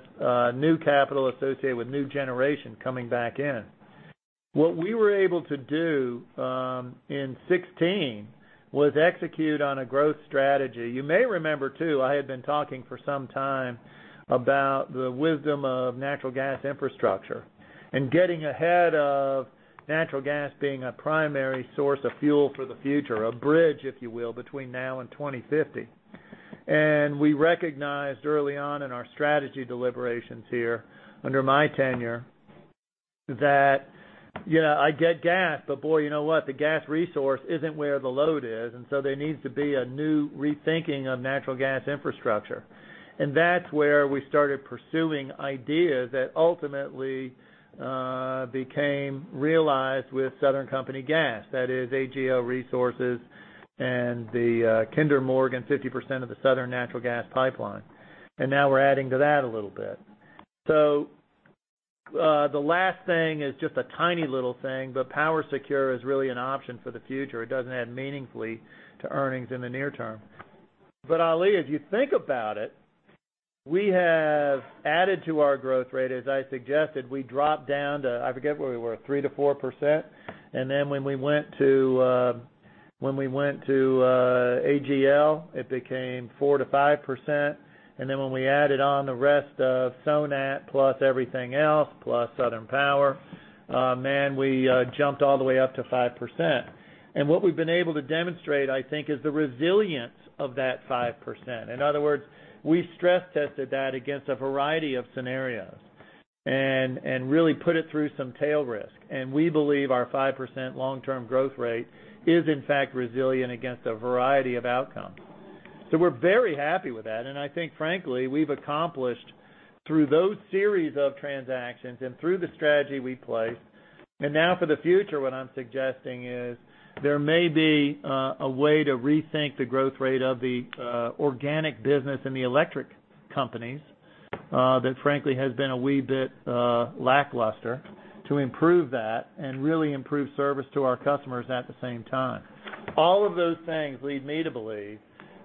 new capital associated with new generation coming back in." What we were able to do in 2016 was execute on a growth strategy. You may remember, too, I had been talking for some time about the wisdom of natural gas infrastructure and getting ahead of natural gas being a primary source of fuel for the future, a bridge, if you will, between now and 2050. We recognized early on in our strategy deliberations here under my tenure that I get gas, but boy, you know what? The gas resource isn't where the load is. There needs to be a new rethinking of natural gas infrastructure. That's where we started pursuing ideas that ultimately became realized with Southern Company Gas. That is AGL Resources and the Kinder Morgan 50% of the Southern Natural Gas pipeline. Now we're adding to that a little bit. The last thing is just a tiny little thing, but PowerSecure is really an option for the future. It doesn't add meaningfully to earnings in the near term. Ali, if you think about it, we have added to our growth rate. As I suggested, we dropped down to, I forget where we were, 3%-4%. Then when we went to AGL, it became 4%-5%. Then when we added on the rest of Sonat plus everything else, plus Southern Power, man, we jumped all the way up to 5%. What we've been able to demonstrate, I think, is the resilience of that 5%. In other words, we stress tested that against a variety of scenarios and really put it through some tail risk. We believe our 5% long-term growth rate is, in fact, resilient against a variety of outcomes. We're very happy with that. I think, frankly, we've accomplished through those series of transactions and through the strategy we've placed. Now for the future, what I'm suggesting is there may be a way to rethink the growth rate of the organic business in the electric companies that frankly has been a wee bit lackluster to improve that and really improve service to our customers at the same time. All of those things lead me to believe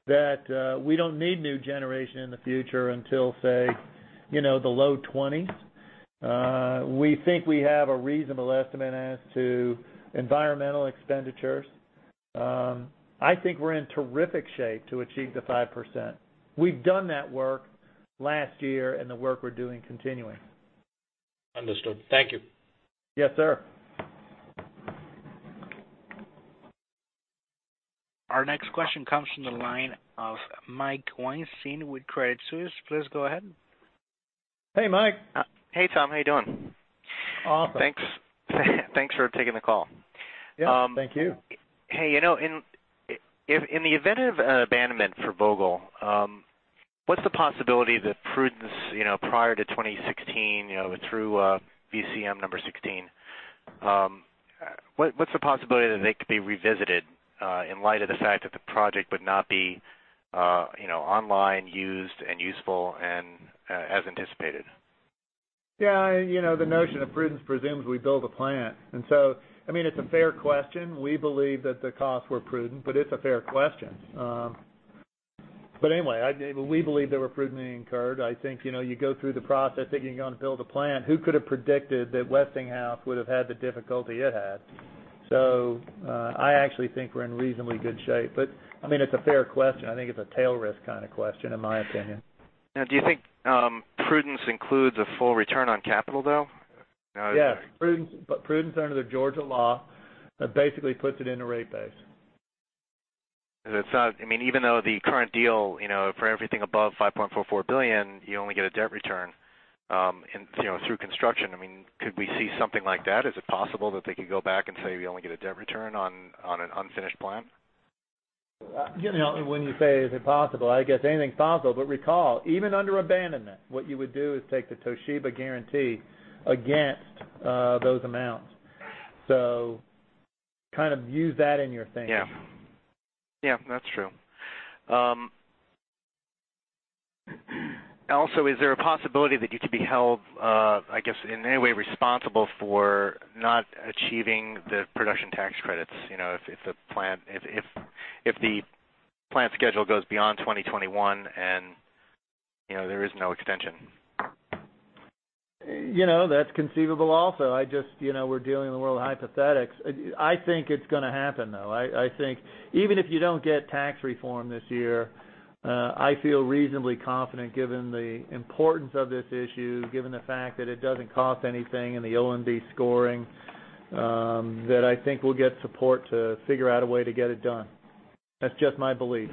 that we don't need new generation in the future until, say, the low 2020s. We think we have a reasonable estimate as to environmental expenditures. I think we're in terrific shape to achieve the 5%. We've done that work last year and the work we're doing continuing. Understood. Thank you. Yes, sir. Our next question comes from the line of Mike Weinstein, senior with Credit Suisse. Please go ahead. Hey, Mike. Hey, Tom. How you doing? Awesome. Thanks for taking the call. Yeah. Thank you. Hey, in the event of abandonment for Vogtle, what's the possibility that prudence prior to 2016 through VCM number 16, what's the possibility that they could be revisited in light of the fact that the project would not be online, used, and useful, and as anticipated? Yeah. The notion of prudence presumes we build a plant. It's a fair question. We believe that the costs were prudent, it's a fair question. Yeah. Anyway, we believe they were prudently incurred. I think you go through the process thinking you're going to build a plant. Who could have predicted that Westinghouse would have had the difficulty it had? I actually think we're in reasonably good shape. It's a fair question. I think it's a tail risk kind of question, in my opinion. Do you think prudence includes a full return on capital, though? Yes. Prudence under the Georgia law basically puts it in a rate base. Even though the current deal for everything above $5.44 billion, you only get a debt return through construction. Could we see something like that? Is it possible that they could go back and say we only get a debt return on an unfinished plant? When you say, is it possible, I guess anything's possible. Recall, even under abandonment, what you would do is take the Toshiba guarantee against those amounts. Use that in your thinking. Yeah. That's true. Also, is there a possibility that you could be held, I guess, in any way responsible for not achieving the Production Tax Credits if the plant schedule goes beyond 2021 and there is no extension? That's conceivable also. We're dealing in the world of hypothetics. I think it's going to happen, though. I think even if you don't get tax reform this year, I feel reasonably confident, given the importance of this issue, given the fact that it doesn't cost anything in the OMB scoring, that I think we'll get support to figure out a way to get it done. That's just my belief.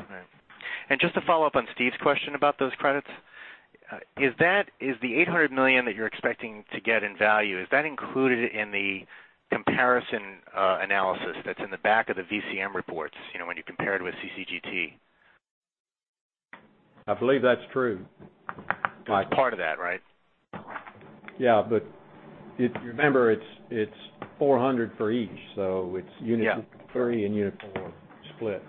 All right. Just to follow up on Steve's question about those credits. Is the $800 million that you're expecting to get in value, is that included in the comparison analysis that's in the back of the VCM reports when you compare it with CCGT? I believe that's true. It's part of that, right? Yeah. Remember, it's 400 for each, so it's. Yeah unit three and unit four split.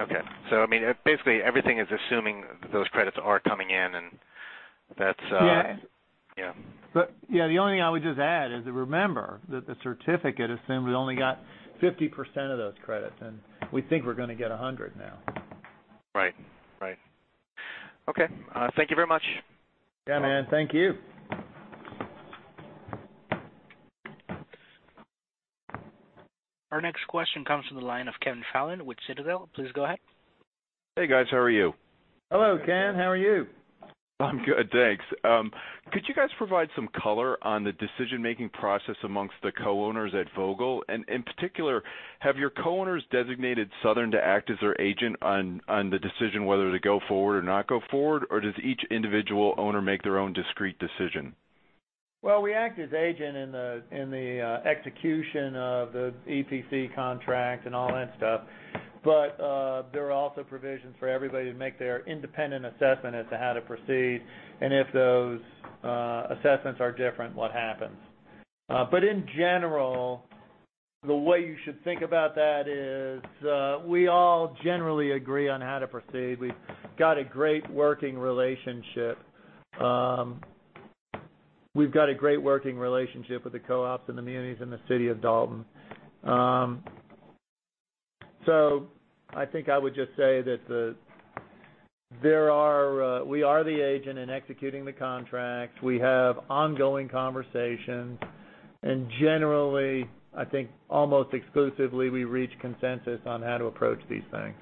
Okay. Basically, everything is assuming that those credits are coming in and. Yeah. Yeah. Yeah, the only thing I would just add is that remember that the certificate assumes we only got 50% of those credits, and we think we're going to get 100 now. Right. Okay. Thank you very much. Yeah, man. Thank you. Our next question comes from the line of Ken Fallin with Citadel. Please go ahead. Hey, guys. How are you? Hello, Ken. How are you? I'm good, thanks. Could you guys provide some color on the decision-making process amongst the co-owners at Vogtle? In particular, have your co-owners designated Southern to act as their agent on the decision whether to go forward or not go forward, or does each individual owner make their own discrete decision? Well, we act as agent in the execution of the EPC contract and all that stuff. There are also provisions for everybody to make their independent assessment as to how to proceed, and if those assessments are different, what happens. In general, the way you should think about that is we all generally agree on how to proceed. We've got a great working relationship. We've got a great working relationship with the co-ops and the munis in the city of Dalton. I think I would just say that we are the agent in executing the contract. We have ongoing conversations, and generally, I think almost exclusively, we reach consensus on how to approach these things.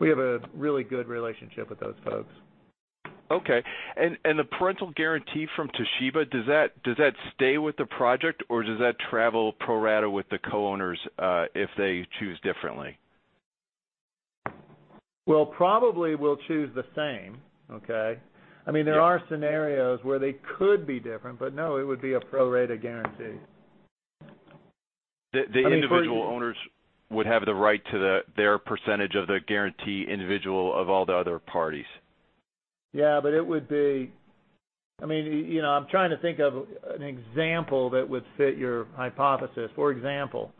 We have a really good relationship with those folks. Okay. The parental guarantee from Toshiba, does that stay with the project, or does that travel pro rata with the co-owners if they choose differently? Well, probably we'll choose the same. Okay? Yeah. There are scenarios where they could be different. No, it would be a pro rata guarantee. The individual owners would have the right to their percentage of the guarantee individual of all the other parties. Yeah. I'm trying to think of an example that would fit your hypothesis. For example,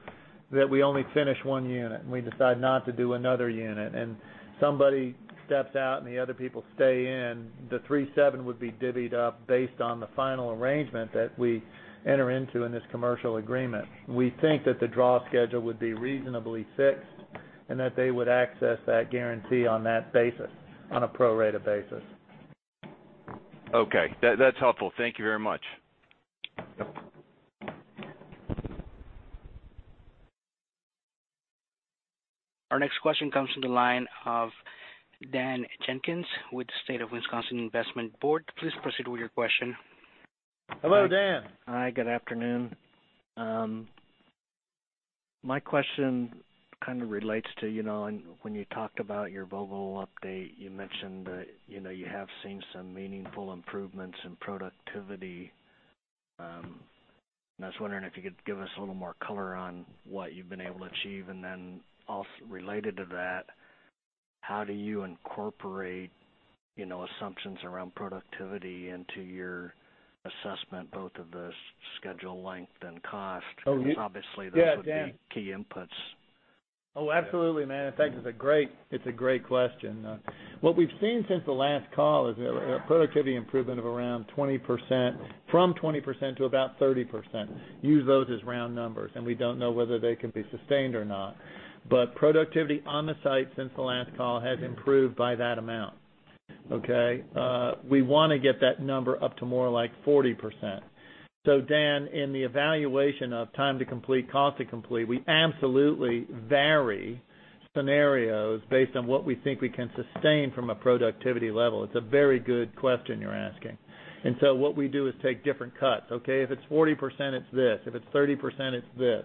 that we only finish one unit, and we decide not to do another unit, and somebody steps out, and the other people stay in. The 37 would be divvied up based on the final arrangement that we enter into in this commercial agreement. We think that the draw schedule would be reasonably fixed and that they would access that guarantee on that basis, on a pro rata basis. That's helpful. Thank you very much. Yep. Our next question comes from the line of Dan Jenkins with the State of Wisconsin Investment Board. Please proceed with your question. Hello, Dan. Hi, good afternoon. My question kind of relates to when you talked about your Vogtle update. You mentioned that you have seen some meaningful improvements in productivity. I was wondering if you could give us a little more color on what you've been able to achieve. Also related to that, how do you incorporate assumptions around productivity into your assessment, both of the schedule length and cost? Oh, yeah. Because obviously those would be- Yeah, Dan key inputs. Oh, absolutely, man. In fact, it's a great question. What we've seen since the last call is a productivity improvement of around 20%, from 20% to about 30%. Use those as round numbers, we don't know whether they can be sustained or not. Productivity on the site since the last call has improved by that amount. Okay? We want to get that number up to more like 40%. Dan, in the evaluation of time to complete, cost to complete, we absolutely vary scenarios based on what we think we can sustain from a productivity level. It's a very good question you're asking. What we do is take different cuts. Okay? If it's 40%, it's this. If it's 30%, it's this.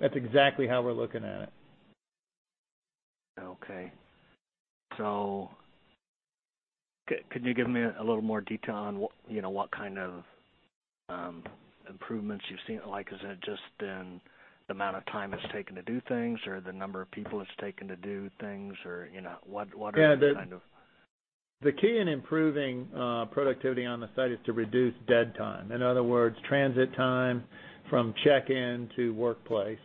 That's exactly how we're looking at it. Okay. Could you give me a little more detail on what kind of improvements you've seen? Like, is it just in the amount of time it's taking to do things, or the number of people it's taking to do things, or what are the kind of- Yeah. The key in improving productivity on the site is to reduce dead time. In other words, transit time from check-in to workplace,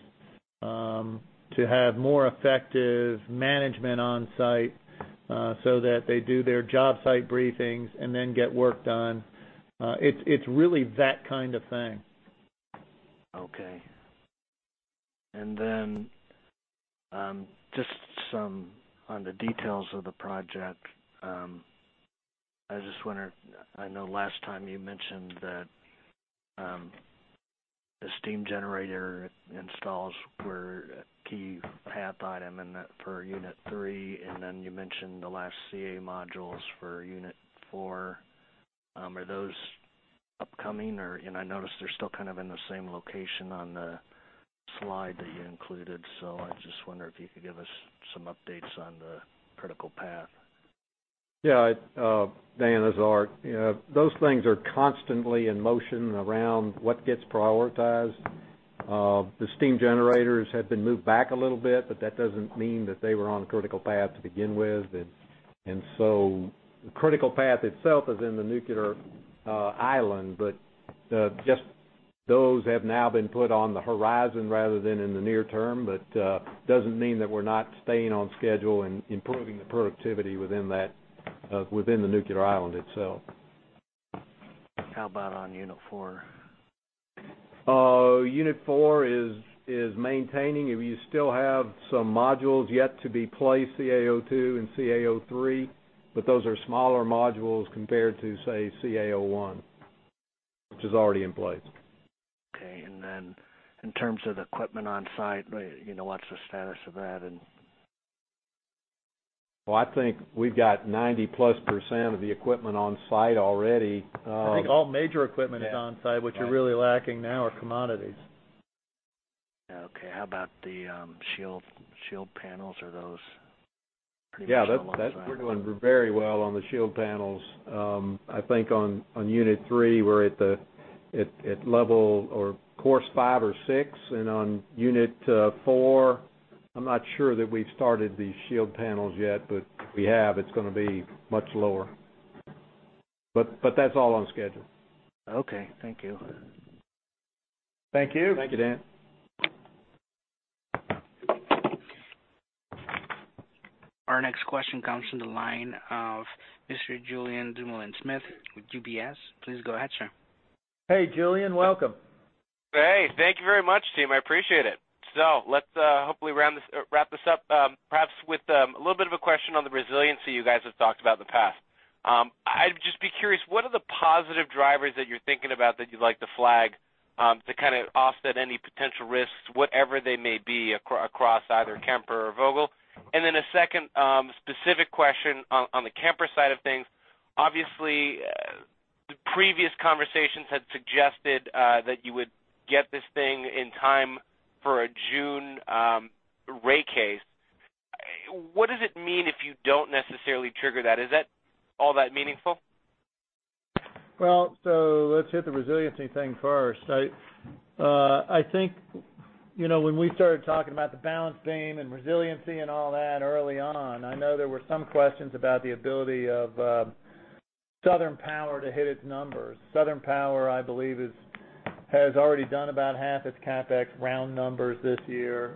to have more effective management on site so that they do their job site briefings and then get work done. It's really that kind of thing. Okay. Just some on the details of the project. I just wonder, I know last time you mentioned that the steam generator installs were a key path item in that for unit 3, and then you mentioned the last CA modules for unit 4. Are those upcoming or? I noticed they're still kind of in the same location on the slide that you included. I just wonder if you could give us some updates on the critical path. Yeah. Dan, it's Art. Those things are constantly in motion around what gets prioritized. The steam generators have been moved back a little bit, that doesn't mean that they were on the critical path to begin with. The critical path itself is in the nuclear island, just those have now been put on the horizon rather than in the near term, doesn't mean that we're not staying on schedule and improving the productivity within the nuclear island itself. How about on unit 4? Unit 4 is maintaining. You still have some modules yet to be placed, CA02 and CA03, those are smaller modules compared to, say, CA01, which is already in place. Okay. In terms of equipment on site, what's the status of that and? Well, I think we've got 90-plus % of the equipment on site already. I think all major equipment is on site. What you're really lacking now are commodities. Okay. How about the shield panels? Are those pretty much all on site? Yeah, we're doing very well on the shield panels. I think on unit 3, we're at level or course 5 or 6. On unit 4, I'm not sure that we've started the shield panels yet, but if we have, it's going to be much lower. That's all on schedule. Okay. Thank you. Thank you. Thank you, Dan. Our next question comes from the line of Mr. Julien Dumoulin-Smith with UBS. Please go ahead, sir. Hey, Julien. Welcome. Thank you very much, team. I appreciate it. Let's hopefully wrap this up, perhaps with a little bit of a question on the resiliency you guys have talked about in the past. I'd just be curious, what are the positive drivers that you're thinking about that you'd like to flag to kind of offset any potential risks, whatever they may be, across either Kemper or Vogtle? Then a second specific question on the Kemper side of things. Obviously, the previous conversations had suggested that you would get this thing in time for a June rate case. What does it mean if you don't necessarily trigger that? Is that all that meaningful? Let's hit the resiliency thing first. I think when we started talking about the balance beam and resiliency and all that early on, I know there were some questions about the ability of Southern Power to hit its numbers. Southern Power, I believe, has already done about half its CapEx round numbers this year.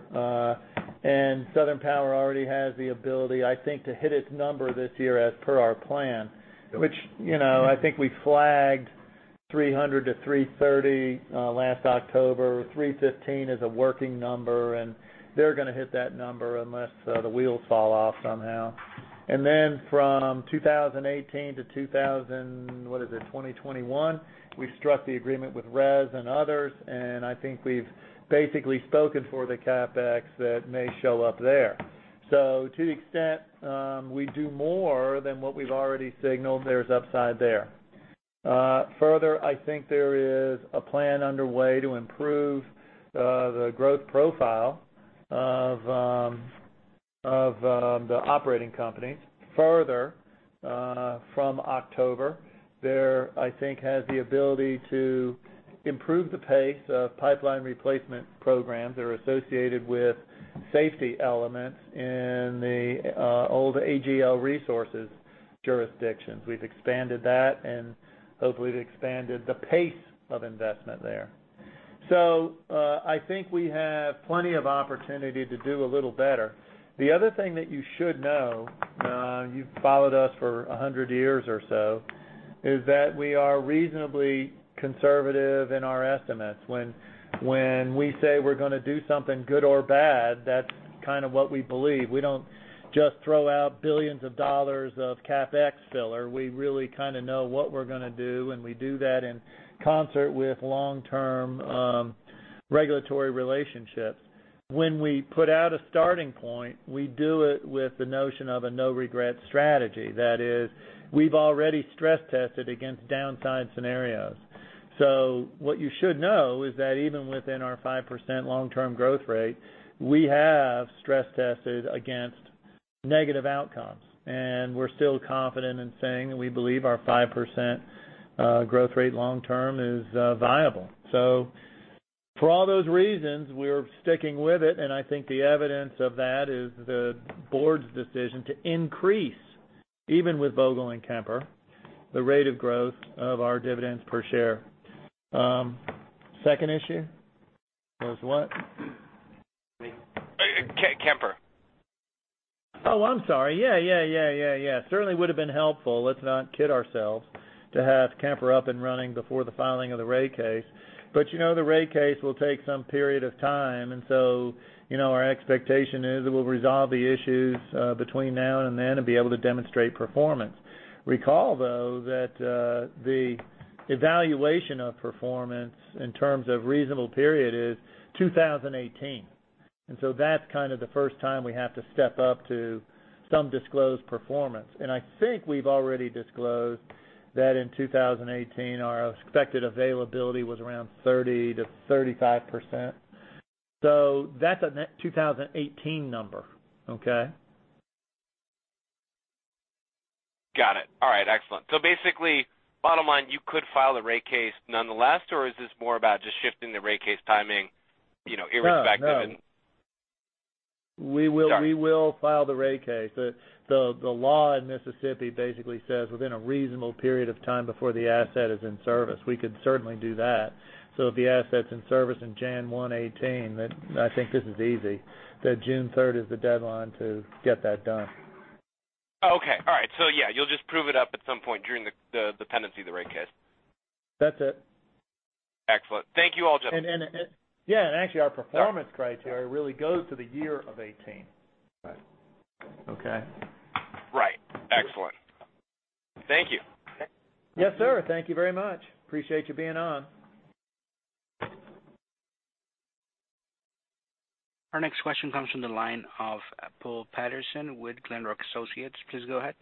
Southern Power already has the ability, I think, to hit its number this year as per our plan, which I think we flagged 300-330 last October. 315 is a working number, and they're going to hit that number unless the wheels fall off somehow. Then from 2018 to 2021, we've struck the agreement with RES and others, and I think we've basically spoken for the CapEx that may show up there. To the extent we do more than what we've already signaled, there's upside there. Further, I think there is a plan underway to improve the growth profile of the operating companies further from October. There, I think, has the ability to improve the pace of pipeline replacement programs that are associated with safety elements in the old AGL Resources jurisdictions. We've expanded that, and hopefully we've expanded the pace of investment there. I think we have plenty of opportunity to do a little better. The other thing that you should know, you've followed us for 100 years or so, is that we are reasonably conservative in our estimates. When we say we're going to do something good or bad, that's kind of what we believe. We don't just throw out $billions of CapEx filler. We really kind of know what we're going to do, and we do that in concert with long-term regulatory relationships. When we put out a starting point, we do it with the notion of a no-regret strategy. That is, we've already stress-tested against downside scenarios. What you should know is that even within our 5% long-term growth rate, we have stress-tested against negative outcomes. We're still confident in saying we believe our 5% growth rate long term is viable. For all those reasons, we're sticking with it, and I think the evidence of that is the board's decision to increase, even with Vogtle and Kemper, the rate of growth of our dividends per share. Second issue was what? Kemper. Oh, I'm sorry. Yeah. Certainly would've been helpful, let's not kid ourselves, to have Kemper up and running before the filing of the rate case. The rate case will take some period of time, our expectation is that we'll resolve the issues between now and then and be able to demonstrate performance. Recall, though, that the evaluation of performance in terms of reasonable period is 2018, that's kind of the first time we have to step up to some disclosed performance. I think we've already disclosed that in 2018, our expected availability was around 30%-35%. That's a 2018 number. Okay? Got it. All right, excellent. Basically, bottom line, you could file the rate case nonetheless, or is this more about just shifting the rate case timing irrespective and- No. Got it. We will file the rate case. The law in Mississippi basically says within a reasonable period of time before the asset is in service. We could certainly do that. If the asset's in service in January 1, 2018, I think this is easy, that June 3rd is the deadline to get that done. Okay. All right. Yeah, you'll just prove it up at some point during the pendency of the rate case. That's it. Excellent. Thank you, all gentlemen. Yeah, actually our performance criteria really goes to the year of 2018. Right. Okay? Right. Excellent. Thank you. Yes, sir. Thank you very much. Appreciate you being on. Our next question comes from the line of Paul Patterson with Glenrock Associates. Please go ahead.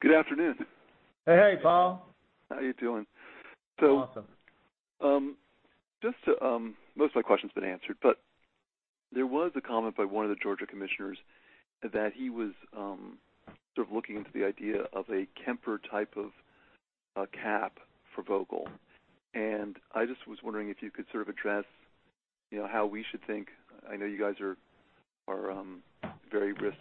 Good afternoon. Hey, Paul. How you doing? Awesome. Most of my question's been answered, there was a comment by one of the Georgia commissioners that he was sort of looking into the idea of a Kemper type of cap for Vogtle, and I just was wondering if you could sort of address how we should think. I know you guys are very risk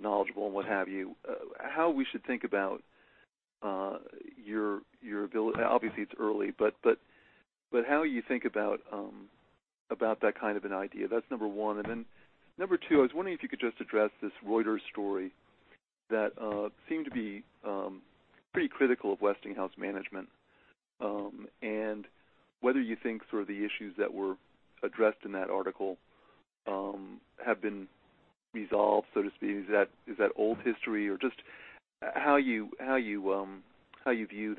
knowledgeable and what have you. How we should think about your ability, obviously it's early, but how you think about that kind of an idea. That's number one. Number 2, I was wondering if you could just address this Reuters story that seemed to be pretty critical of Westinghouse management, and whether you think sort of the issues that were addressed in that article have been resolved, so to speak. Is that old history or just how you view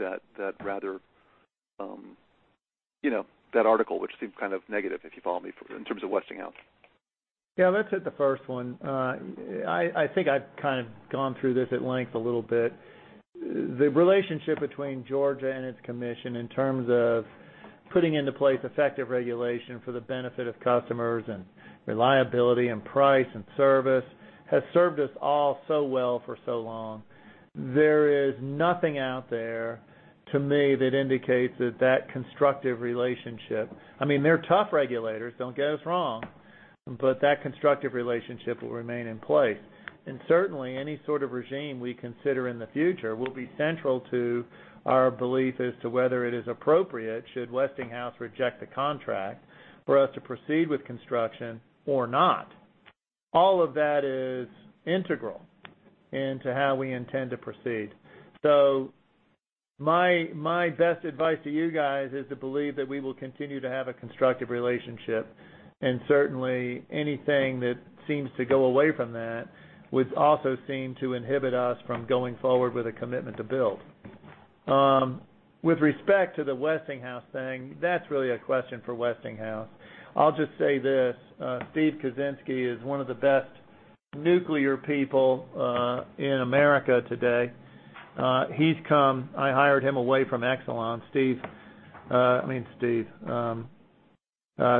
that article, which seemed kind of negative, if you follow me, in terms of Westinghouse. Yeah. Let's hit the first one. I think I've kind of gone through this at length a little bit. The relationship between Georgia and its commission in terms of putting into place effective regulation for the benefit of customers and reliability and price and service has served us all so well for so long. There is nothing out there, to me, that indicates that that constructive relationship I mean, they're tough regulators, don't get us wrong. That constructive relationship will remain in place. Certainly, any sort of regime we consider in the future will be central to our belief as to whether it is appropriate should Westinghouse reject the contract for us to proceed with construction or not. All of that is integral into how we intend to proceed. My best advice to you guys is to believe that we will continue to have a constructive relationship, and certainly anything that seems to go away from that would also seem to inhibit us from going forward with a commitment to build. With respect to the Westinghouse thing, that's really a question for Westinghouse. I'll just say this. Steve Kuczynski is one of the best nuclear people in America today. I hired him away from Exelon.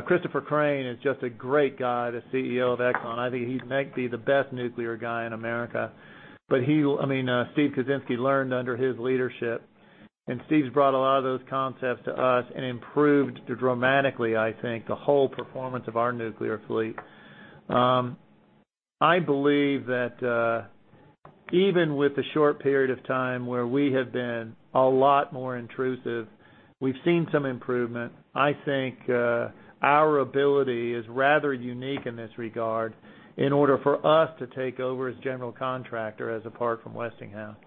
Christopher Crane is just a great guy, the CEO of Exelon. I think he might be the best nuclear guy in America. Steve Kuczynski learned under his leadership, and Steve's brought a lot of those concepts to us and improved dramatically, I think, the whole performance of our nuclear fleet. I believe that Even with the short period of time where we have been a lot more intrusive, we've seen some improvement. I think our ability is rather unique in this regard, in order for us to take over as general contractor, as apart from Westinghouse.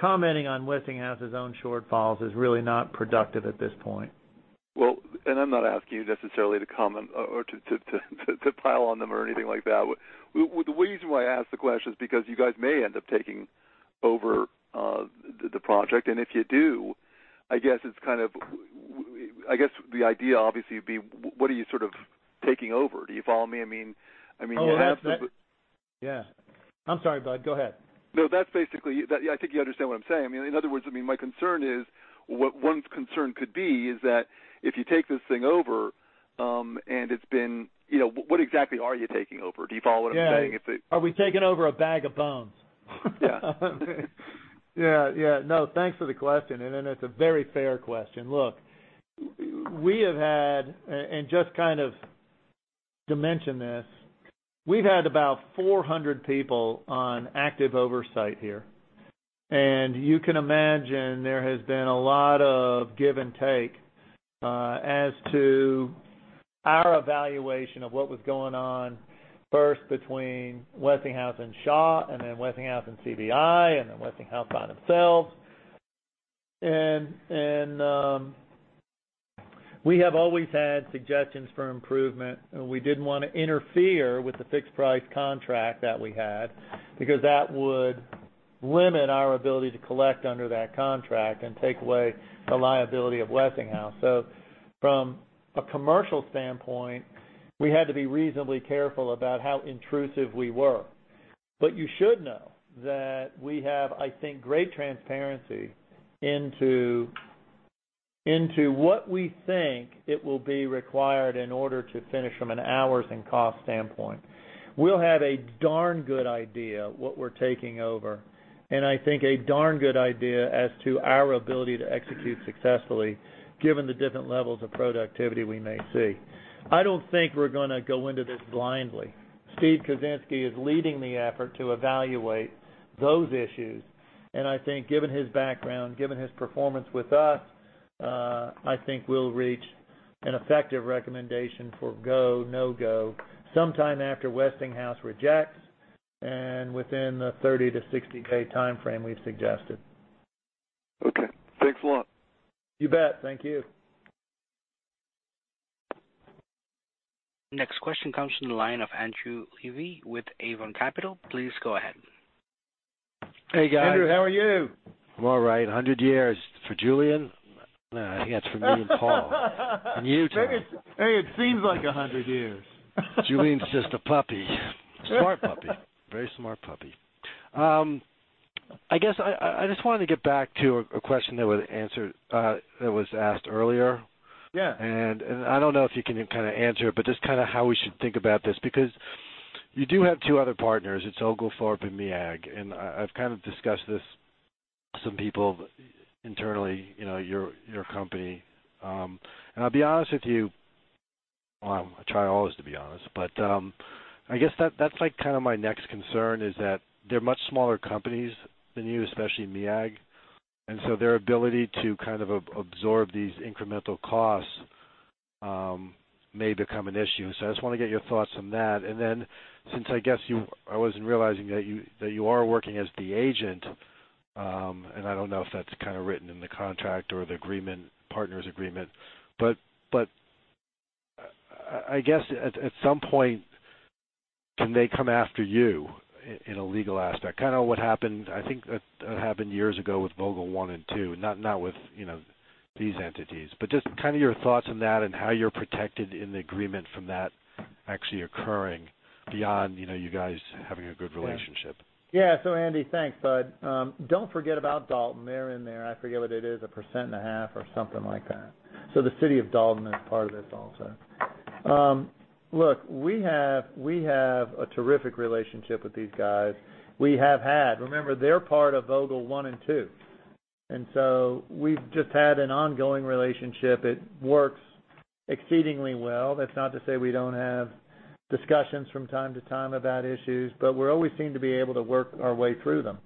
Commenting on Westinghouse's own shortfalls is really not productive at this point. Well, I'm not asking you necessarily to comment or to pile on them or anything like that. The reason why I ask the question is because you guys may end up taking over the project, and if you do, I guess the idea obviously would be, what are you sort of taking over? Do you follow me? Oh, yeah. Yeah. I'm sorry, Bud, go ahead. No, that's basically I think you understand what I'm saying. In other words, my concern is, what one's concern could be is that if you take this thing over, what exactly are you taking over? Do you follow what I'm saying? Yeah. Are we taking over a bag of bones? Yeah. No, thanks for the question. It's a very fair question. Look, we have had, just to mention this, we've had about 400 people on active oversight here. You can imagine there has been a lot of give and take as to our evaluation of what was going on, first between Westinghouse and Shaw, then Westinghouse and CBI, then Westinghouse by themselves. We have always had suggestions for improvement, we didn't want to interfere with the fixed price contract that we had, because that would limit our ability to collect under that contract and take away the liability of Westinghouse. From a commercial standpoint, we had to be reasonably careful about how intrusive we were. You should know that we have, I think, great transparency into what we think it will be required in order to finish from an hours and cost standpoint. We'll have a darn good idea what we're taking over, I think a darn good idea as to our ability to execute successfully, given the different levels of productivity we may see. I don't think we're going to go into this blindly. Steve Kuczynski is leading the effort to evaluate those issues, I think given his background, given his performance with us, I think we'll reach an effective recommendation for go, no-go, sometime after Westinghouse rejects within the 30-60-day timeframe we've suggested. Thanks a lot. You bet. Thank you. Next question comes from the line of Andrew Levy with Avon Capital. Please go ahead. Hey, guys. Andrew, how are you? I'm all right. 100 years for Julien. Nah, I think that's for me and Paul. You, Tom. Maybe it seems like 100 years. Julien's just a puppy. A smart puppy. Very smart puppy. I guess I just wanted to get back to a question that was asked earlier. Yeah. I don't know if you can kind of answer it, but just how we should think about this, because you do have two other partners. It's Oglethorpe Power and MEAG Power. I've kind of discussed this with some people internally, your company. I'll be honest with you, well, I try always to be honest, but I guess that's my next concern is that they're much smaller companies than you, especially MEAG Power. Their ability to absorb these incremental costs may become an issue. I just want to get your thoughts on that. Then, since I wasn't realizing that you are working as the agent, and I don't know if that's kind of written in the contract or the partners' agreement, but I guess at some point, can they come after you in a legal aspect? Kind of what happened, I think it happened years ago with Vogtle One and Two, not with these entities. Just your thoughts on that and how you're protected in the agreement from that actually occurring beyond you guys having a good relationship. Andy, thanks, bud. Don't forget about Dalton. They're in there. I forget what it is, 1.5% or something like that. The city of Dalton is part of this also. Look, we have a terrific relationship with these guys. We have had. Remember, they're part of Vogtle One and Two. We've just had an ongoing relationship. It works exceedingly well. That's not to say we don't have discussions from time to time about issues, but we always seem to be able to work our way through them.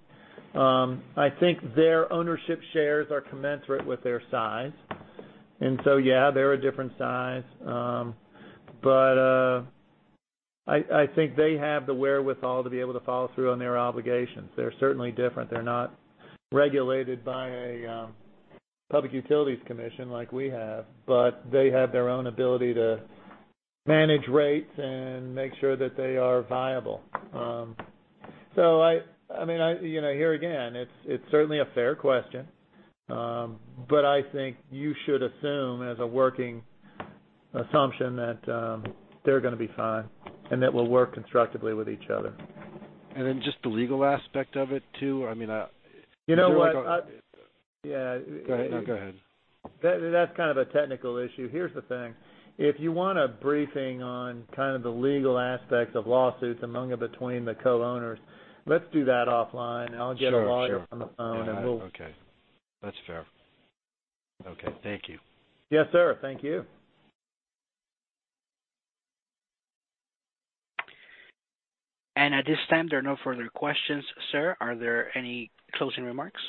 I think their ownership shares are commensurate with their size. Yeah, they're a different size. I think they have the wherewithal to be able to follow through on their obligations. They're certainly different. They're not regulated by a public utilities commission like we have. They have their own ability to manage rates and make sure that they are viable. Here again, it's certainly a fair question. I think you should assume as a working assumption that they're going to be fine and that we'll work constructively with each other. Just the legal aspect of it, too? I mean, I feel like. You know what? Yeah. Go ahead. That's kind of a technical issue. Here's the thing. If you want a briefing on kind of the legal aspects of lawsuits among and between the co-owners, let's do that offline. Sure. I'll get a lawyer on the phone. Yeah. Okay. That's fair. Okay. Thank you. Yes, sir. Thank you. At this time, there are no further questions. Sir, are there any closing remarks?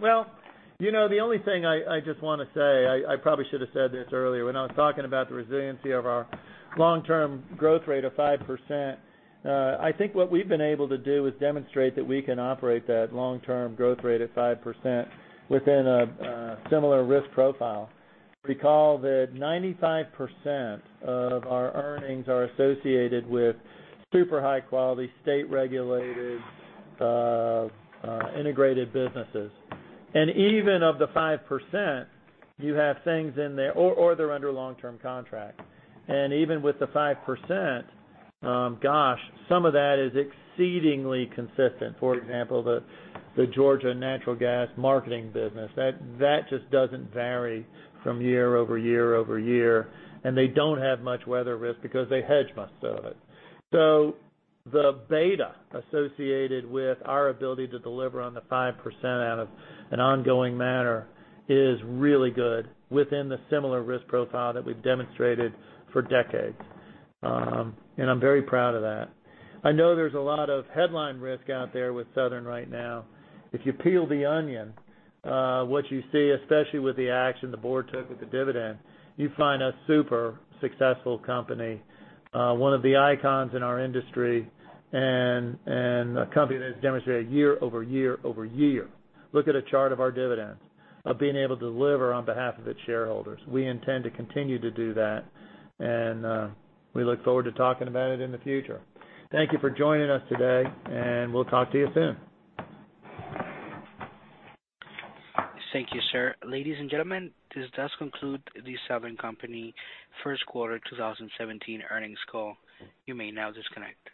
Well, the only thing I just want to say, I probably should have said this earlier when I was talking about the resiliency of our long-term growth rate of 5%. I think what we've been able to do is demonstrate that we can operate that long-term growth rate of 5% within a similar risk profile. Recall that 95% of our earnings are associated with super high-quality, state-regulated, integrated businesses. Even of the 5%, you have things in there or they're under long-term contract. Even with the 5%, gosh, some of that is exceedingly consistent. For example, the Georgia Natural Gas marketing business. That just doesn't vary from year over year over year, and they don't have much weather risk because they hedge most of it. The beta associated with our ability to deliver on the 5% out of an ongoing manner is really good within the similar risk profile that we've demonstrated for decades. I'm very proud of that. I know there's a lot of headline risk out there with Southern right now. If you peel the onion, what you see, especially with the action the board took with the dividend, you find a super successful company, one of the icons in our industry, and a company that has demonstrated year over year over year. Look at a chart of our dividends, of being able to deliver on behalf of its shareholders. We intend to continue to do that, and we look forward to talking about it in the future. Thank you for joining us today, and we'll talk to you soon. Thank you, sir. Ladies and gentlemen, this does conclude The Southern Company first quarter 2017 earnings call. You may now disconnect.